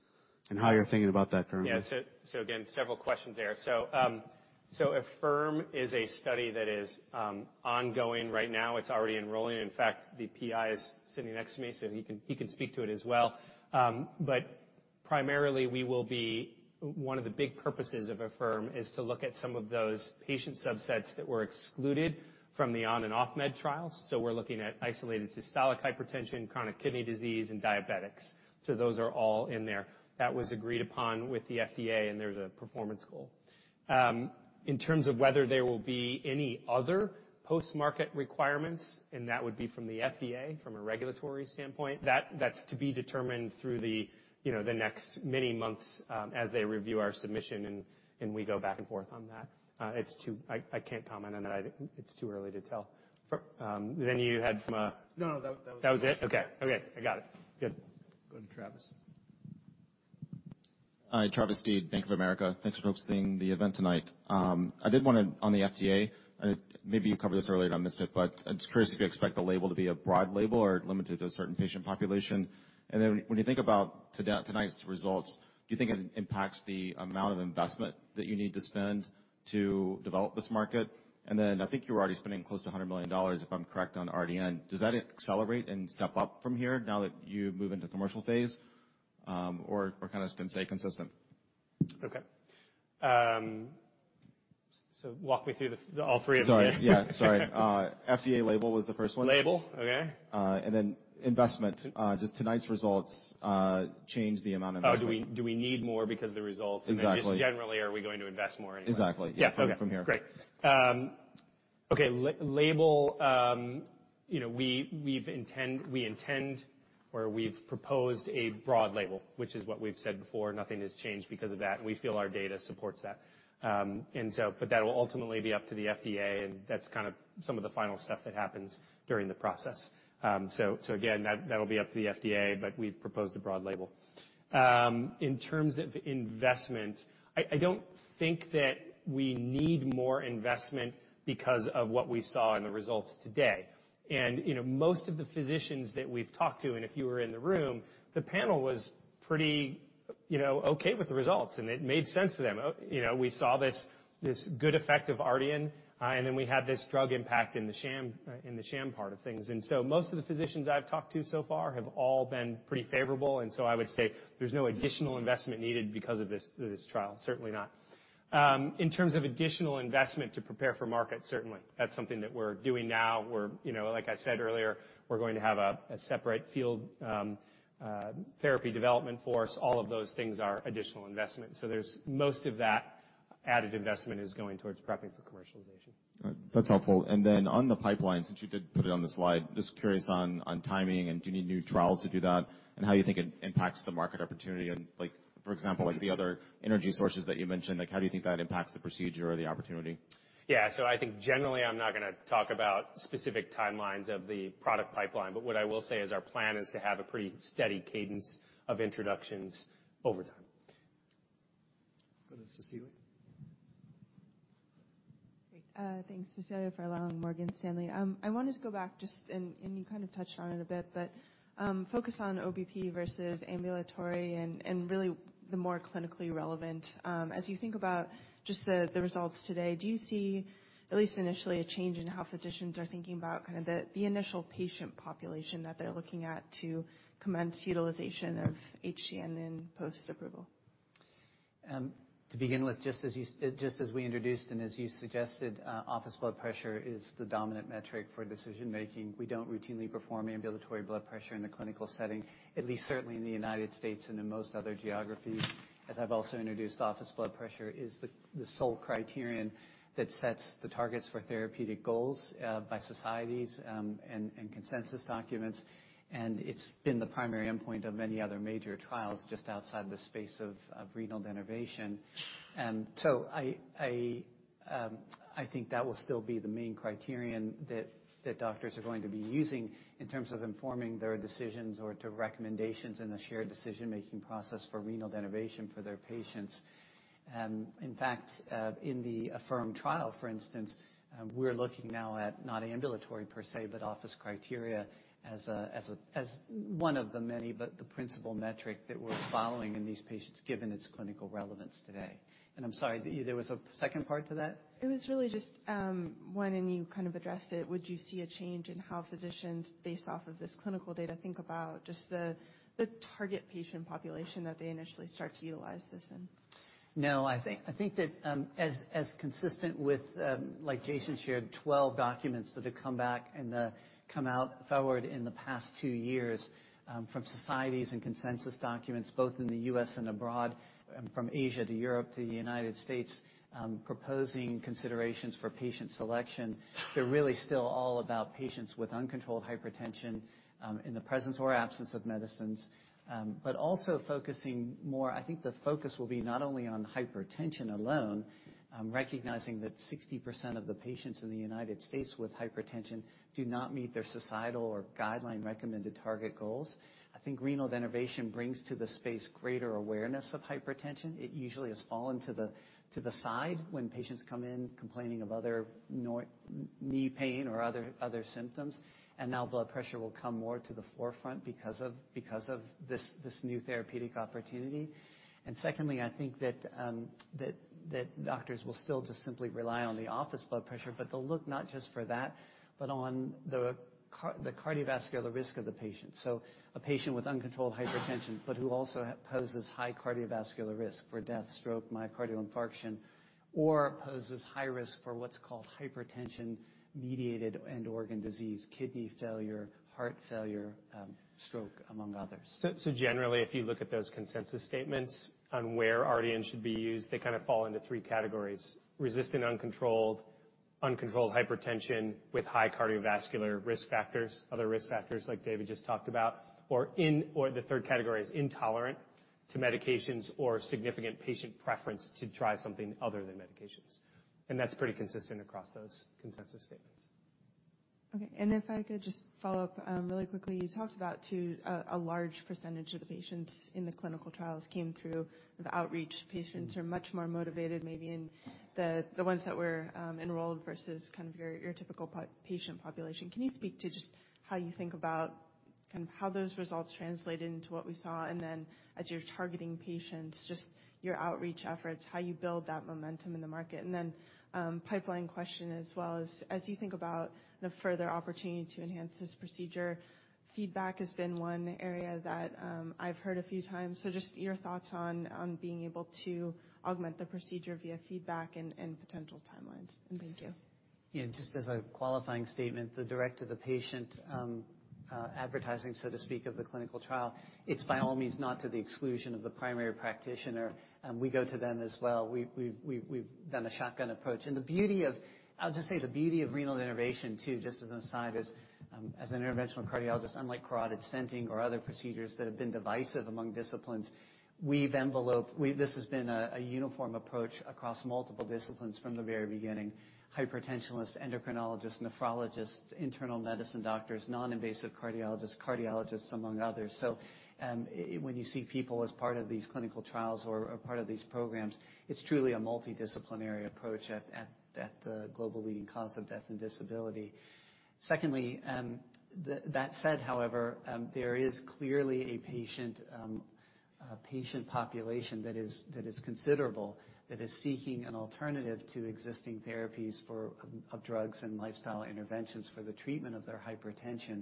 How you're thinking about that currently. Yeah. Again, several questions there. AFFIRM is a study that is ongoing right now. It's already enrolling. In fact, the PI is sitting next to me, so he can speak to it as well. Primarily, one of the big purposes of AFFIRM is to look at some of those patient subsets that were excluded from the on-and-off med trials. We're looking at isolated systolic hypertension, chronic kidney disease, and diabetics. Those are all in there. That was agreed upon with the FDA. There's a performance goal. In terms of whether there will be any other post-market requirements, and that would be from the FDA, from a regulatory standpoint, that's to be determined through the next many months as they review our submission and we go back and forth on that. I can't comment on that. It's too early to tell. You had from- No, that was it. That was it? Okay. I got it. Good. Go to Travis. Hi. Travis Steed, Bank of America. Thanks for hosting the event tonight. I did want to, on the FDA, maybe you covered this earlier and I missed it, I'm just curious if you expect the label to be a broad label or limited to a certain patient population. When you think about tonight's results, do you think it impacts the amount of investment that you need to spend to develop this market? I think you were already spending close to $100 million, if I'm correct, on Ardian. Does that accelerate and step up from here now that you move into commercial phase? Kind of stay consistent? Okay. Walk me through the all three of them again? Sorry. Yeah. Sorry. FDA label was the first one. Label. Okay. Investment. Does tonight's results change the amount of investment? Oh, do we need more because of the results? Exactly. Just generally, are we going to invest more anyway? Exactly. Yeah. Yeah. Okay. From here. Great. Okay, label. We've proposed a broad label, which is what we've said before. Nothing has changed because of that, we feel our data supports that. That'll ultimately be up to the FDA, and that's kind of some of the final stuff that happens during the process. Again, that'll be up to the FDA, but we've proposed a broad label. In terms of investment, I don't think that we need more investment because of what we saw in the results today. Most of the physicians that we've talked to, and if you were in the room, the panel was pretty okay with the results, and it made sense to them. We saw this good effect of Ardian, and then we had this drug impact in the sham part of things. Most of the physicians I've talked to so far have all been pretty favorable. I would say there's no additional investment needed because of this trial. Certainly not. In terms of additional investment to prepare for market, certainly. That's something that we're doing now, where like I said earlier, we're going to have a separate field therapy development force. All of those things are additional investments. Most of that added investment is going towards prepping for commercialization. All right. That's helpful. Then on the pipeline, since you did put it on the slide, just curious on timing, and do you need new trials to do that, and how you think it impacts the market opportunity and like, for example, like the other energy sources that you mentioned, like how do you think that impacts the procedure or the opportunity? Yeah. I think generally, I'm not going to talk about specific timelines of the product pipeline, but what I will say is our plan is to have a pretty steady cadence of introductions over time. Go to Cecilia. Great. Thanks. Cecilia Furlong from Morgan Stanley. I wanted to go back just, you kind of touched on it a bit, but focus on OBP versus ambulatory and really the more clinically relevant. As you think about just the results today, do you see at least initially a change in how physicians are thinking about kind of the initial patient population that they're looking at to commence utilization of HTN in post-approval? To begin with, just as we introduced and as you suggested, office blood pressure is the dominant metric for decision making. We don't routinely perform ambulatory blood pressure in the clinical setting, at least certainly in the U.S. and in most other geographies. As I've also introduced, office blood pressure is the sole criterion that sets the targets for therapeutic goals by societies, and consensus documents, and it's been the primary endpoint of many other major trials just outside the space of renal denervation. I think that will still be the main criterion that doctors are going to be using in terms of informing their decisions or to recommendations in the shared decision-making process for renal denervation for their patients. In fact, in the AFFIRM trial, for instance, we're looking now at not ambulatory per se, but office criteria as one of the many, but the principal metric that we're following in these patients given its clinical relevance today. I'm sorry, there was a second part to that? It was really just one, and you kind of addressed it. Would you see a change in how physicians, based off of this clinical data, think about just the target patient population that they initially start to utilize this in? No, I think that as consistent with, like Jason shared, 12 documents that have come back and come forward in the past two years from societies and consensus documents both in the U.S. and abroad, from Asia to Europe to the United States, proposing considerations for patient selection. They're really still all about patients with uncontrolled hypertension, in the presence or absence of medicines. Also focusing more, I think the focus will be not only on hypertension alone, recognizing that 60% of the patients in the United States with hypertension do not meet their societal or guideline-recommended target goals. I think renal denervation brings to the space greater awareness of hypertension. It usually has fallen to the side when patients come in complaining of other knee pain or other symptoms. Now blood pressure will come more to the forefront because of this new therapeutic opportunity. Secondly, I think that doctors will still just simply rely on the office blood pressure, but they'll look not just for that but on the cardiovascular risk of the patient. A patient with uncontrolled hypertension, but who also poses high cardiovascular risk for death, stroke, myocardial infarction, or poses high risk for what's called hypertension-mediated end organ disease, kidney failure, heart failure, stroke, among others. Generally, if you look at those consensus statements on where RDN should be used, they kind of fall into 3 categories: resistant, uncontrolled hypertension with high cardiovascular risk factors, other risk factors like David just talked about, or the third category is intolerant to medications or significant patient preference to try something other than medications. That's pretty consistent across those consensus statements. Okay. If I could just follow up really quickly. You talked about to a large percentage of the patients in the clinical trials came through the outreach. Patients are much more motivated, maybe in the ones that were enrolled versus your typical patient population. Can you speak to just how you think about how those results translate into what we saw? As you're targeting patients, just your outreach efforts, how you build that momentum in the market. Pipeline question as well as you think about the further opportunity to enhance this procedure, feedback has been one area that I've heard a few times. Just your thoughts on being able to augment the procedure via feedback and potential timelines. Thank you. Just as a qualifying statement, the direct-to-the-patient advertising, so to speak, of the clinical trial, it's by all means not to the exclusion of the primary practitioner. We go to them as well. We've done a shotgun approach. I'll just say the beauty of renal denervation, too, just as an aside, is as an interventional cardiologist, unlike carotid stenting or other procedures that have been divisive among disciplines, this has been a uniform approach across multiple disciplines from the very beginning. Hypertensionists, endocrinologists, nephrologists, internal medicine doctors, non-invasive cardiologists, among others. When you see people as part of these clinical trials or a part of these programs, it's truly a multidisciplinary approach at the global leading cause of death and disability. Secondly, that said, however, there is clearly a patient population that is considerable, that is seeking an alternative to existing therapies of drugs and lifestyle interventions for the treatment of their hypertension.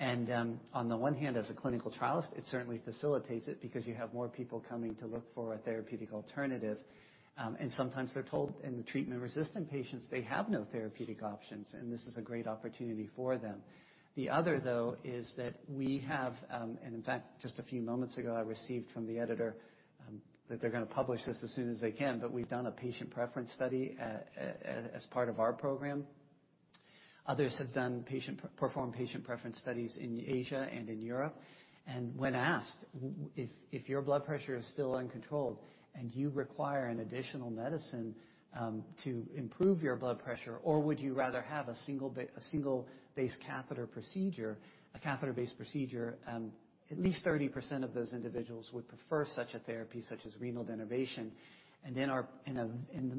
On the one hand, as a clinical trialist, it certainly facilitates it because you have more people coming to look for a therapeutic alternative. Sometimes they're told in the treatment-resistant patients, they have no therapeutic options, and this is a great opportunity for them. The other, though, is that we have, and in fact, just a few moments ago, I received from the editor that they're going to publish this as soon as they can. We've done a patient preference study as part of our program. Others have performed patient preference studies in Asia and in Europe. When asked if your blood pressure is still uncontrolled and you require an additional medicine to improve your blood pressure, or would you rather have a single-base catheter procedure, a catheter-based procedure, at least 30% of those individuals would prefer such a therapy, such as renal denervation. In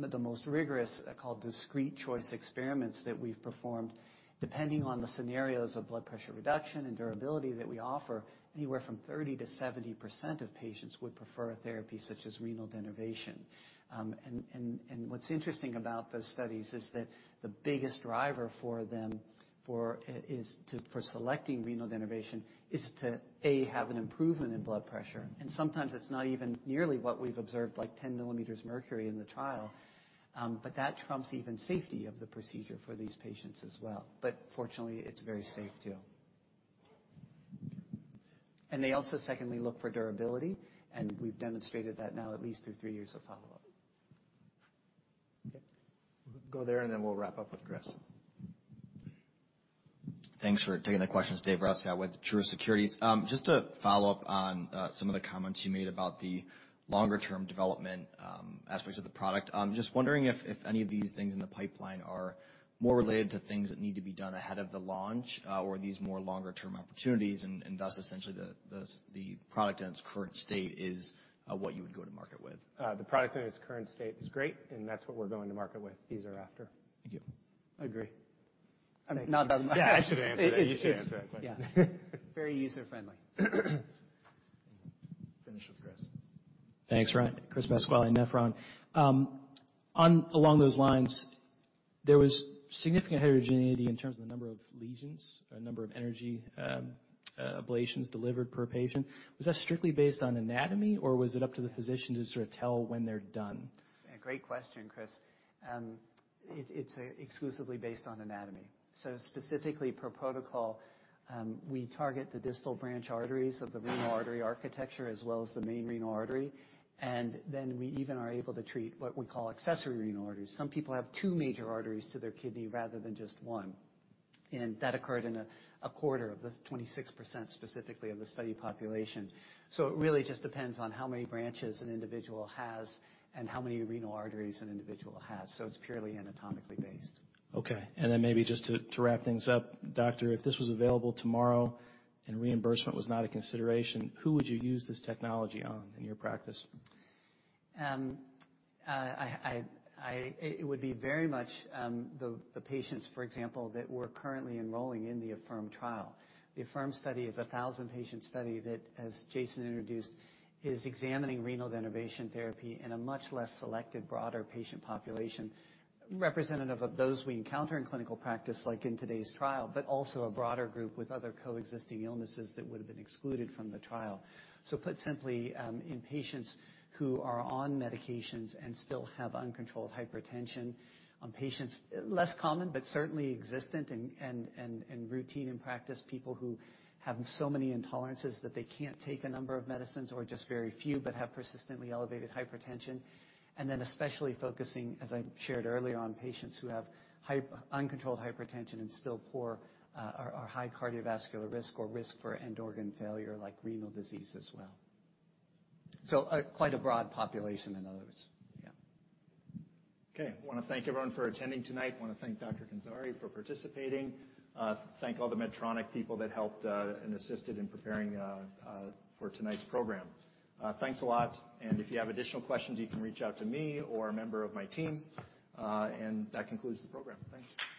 the most rigorous, called discrete choice experiments that we've performed, depending on the scenarios of blood pressure reduction and durability that we offer, anywhere from 30%-70% of patients would prefer a therapy such as renal denervation. What's interesting about those studies is that the biggest driver for them for selecting renal denervation is to, A, have an improvement in blood pressure. Sometimes it's not even nearly what we've observed, like 10 millimeters mercury in the trial. That trumps even safety of the procedure for these patients as well. Fortunately, it's very safe too. They also, secondly, look for durability, and we've demonstrated that now at least through three years of follow-up. Okay. Then we'll wrap up with Chris. Thanks for taking the questions. David Rescoe with Truist Securities. Just to follow up on some of the comments you made about the longer-term development aspects of the product. I'm just wondering if any of these things in the pipeline are more related to things that need to be done ahead of the launch or these more longer-term opportunities, thus essentially the product in its current state is what you would go to market with. The product in its current state is great, and that's what we're going to market with these thereafter. Thank you. Agree. No, it doesn't matter. Yeah, I should answer it. You should answer that question. Very user-friendly. Finish with Chris. Thanks, Ryan. Chris Pasquale, Nephron. Along those lines- There was significant heterogeneity in terms of the number of lesions or number of energy ablations delivered per patient. Was that strictly based on anatomy, or was it up to the physician to sort of tell when they're done? Great question, Chris. It's exclusively based on anatomy. Specifically, per protocol, we target the distal branch arteries of the renal artery architecture, as well as the main renal artery. We even are able to treat what we call accessory renal arteries. Some people have two major arteries to their kidney rather than just one. That occurred in a quarter of the 26% specifically of the study population. It really just depends on how many branches an individual has and how many renal arteries an individual has. It's purely anatomically based. Maybe just to wrap things up. Doctor, if this was available tomorrow and reimbursement was not a consideration, who would you use this technology on in your practice? It would be very much the patients, for example, that we're currently enrolling in the AFFIRM trial. The AFFIRM study is a 1,000-patient study that, as Jason introduced, is examining renal denervation therapy in a much less selected, broader patient population, representative of those we encounter in clinical practice, like in today's trial, but also a broader group with other coexisting illnesses that would've been excluded from the trial. Put simply, in patients who are on medications and still have uncontrolled hypertension, on patients less common but certainly existent and routine in practice, people who have so many intolerances that they can't take a number of medicines or just very few but have persistently elevated hypertension. Especially focusing, as I shared earlier, on patients who have uncontrolled hypertension and still poor or high cardiovascular risk or risk for end-organ failure like renal disease as well. Quite a broad population, in other words. Yeah. Okay. I want to thank everyone for attending tonight. I want to thank Dr. Kandzari for participating, thank all the Medtronic people that helped and assisted in preparing for tonight's program. Thanks a lot. If you have additional questions, you can reach out to me or a member of my team. That concludes the program. Thanks.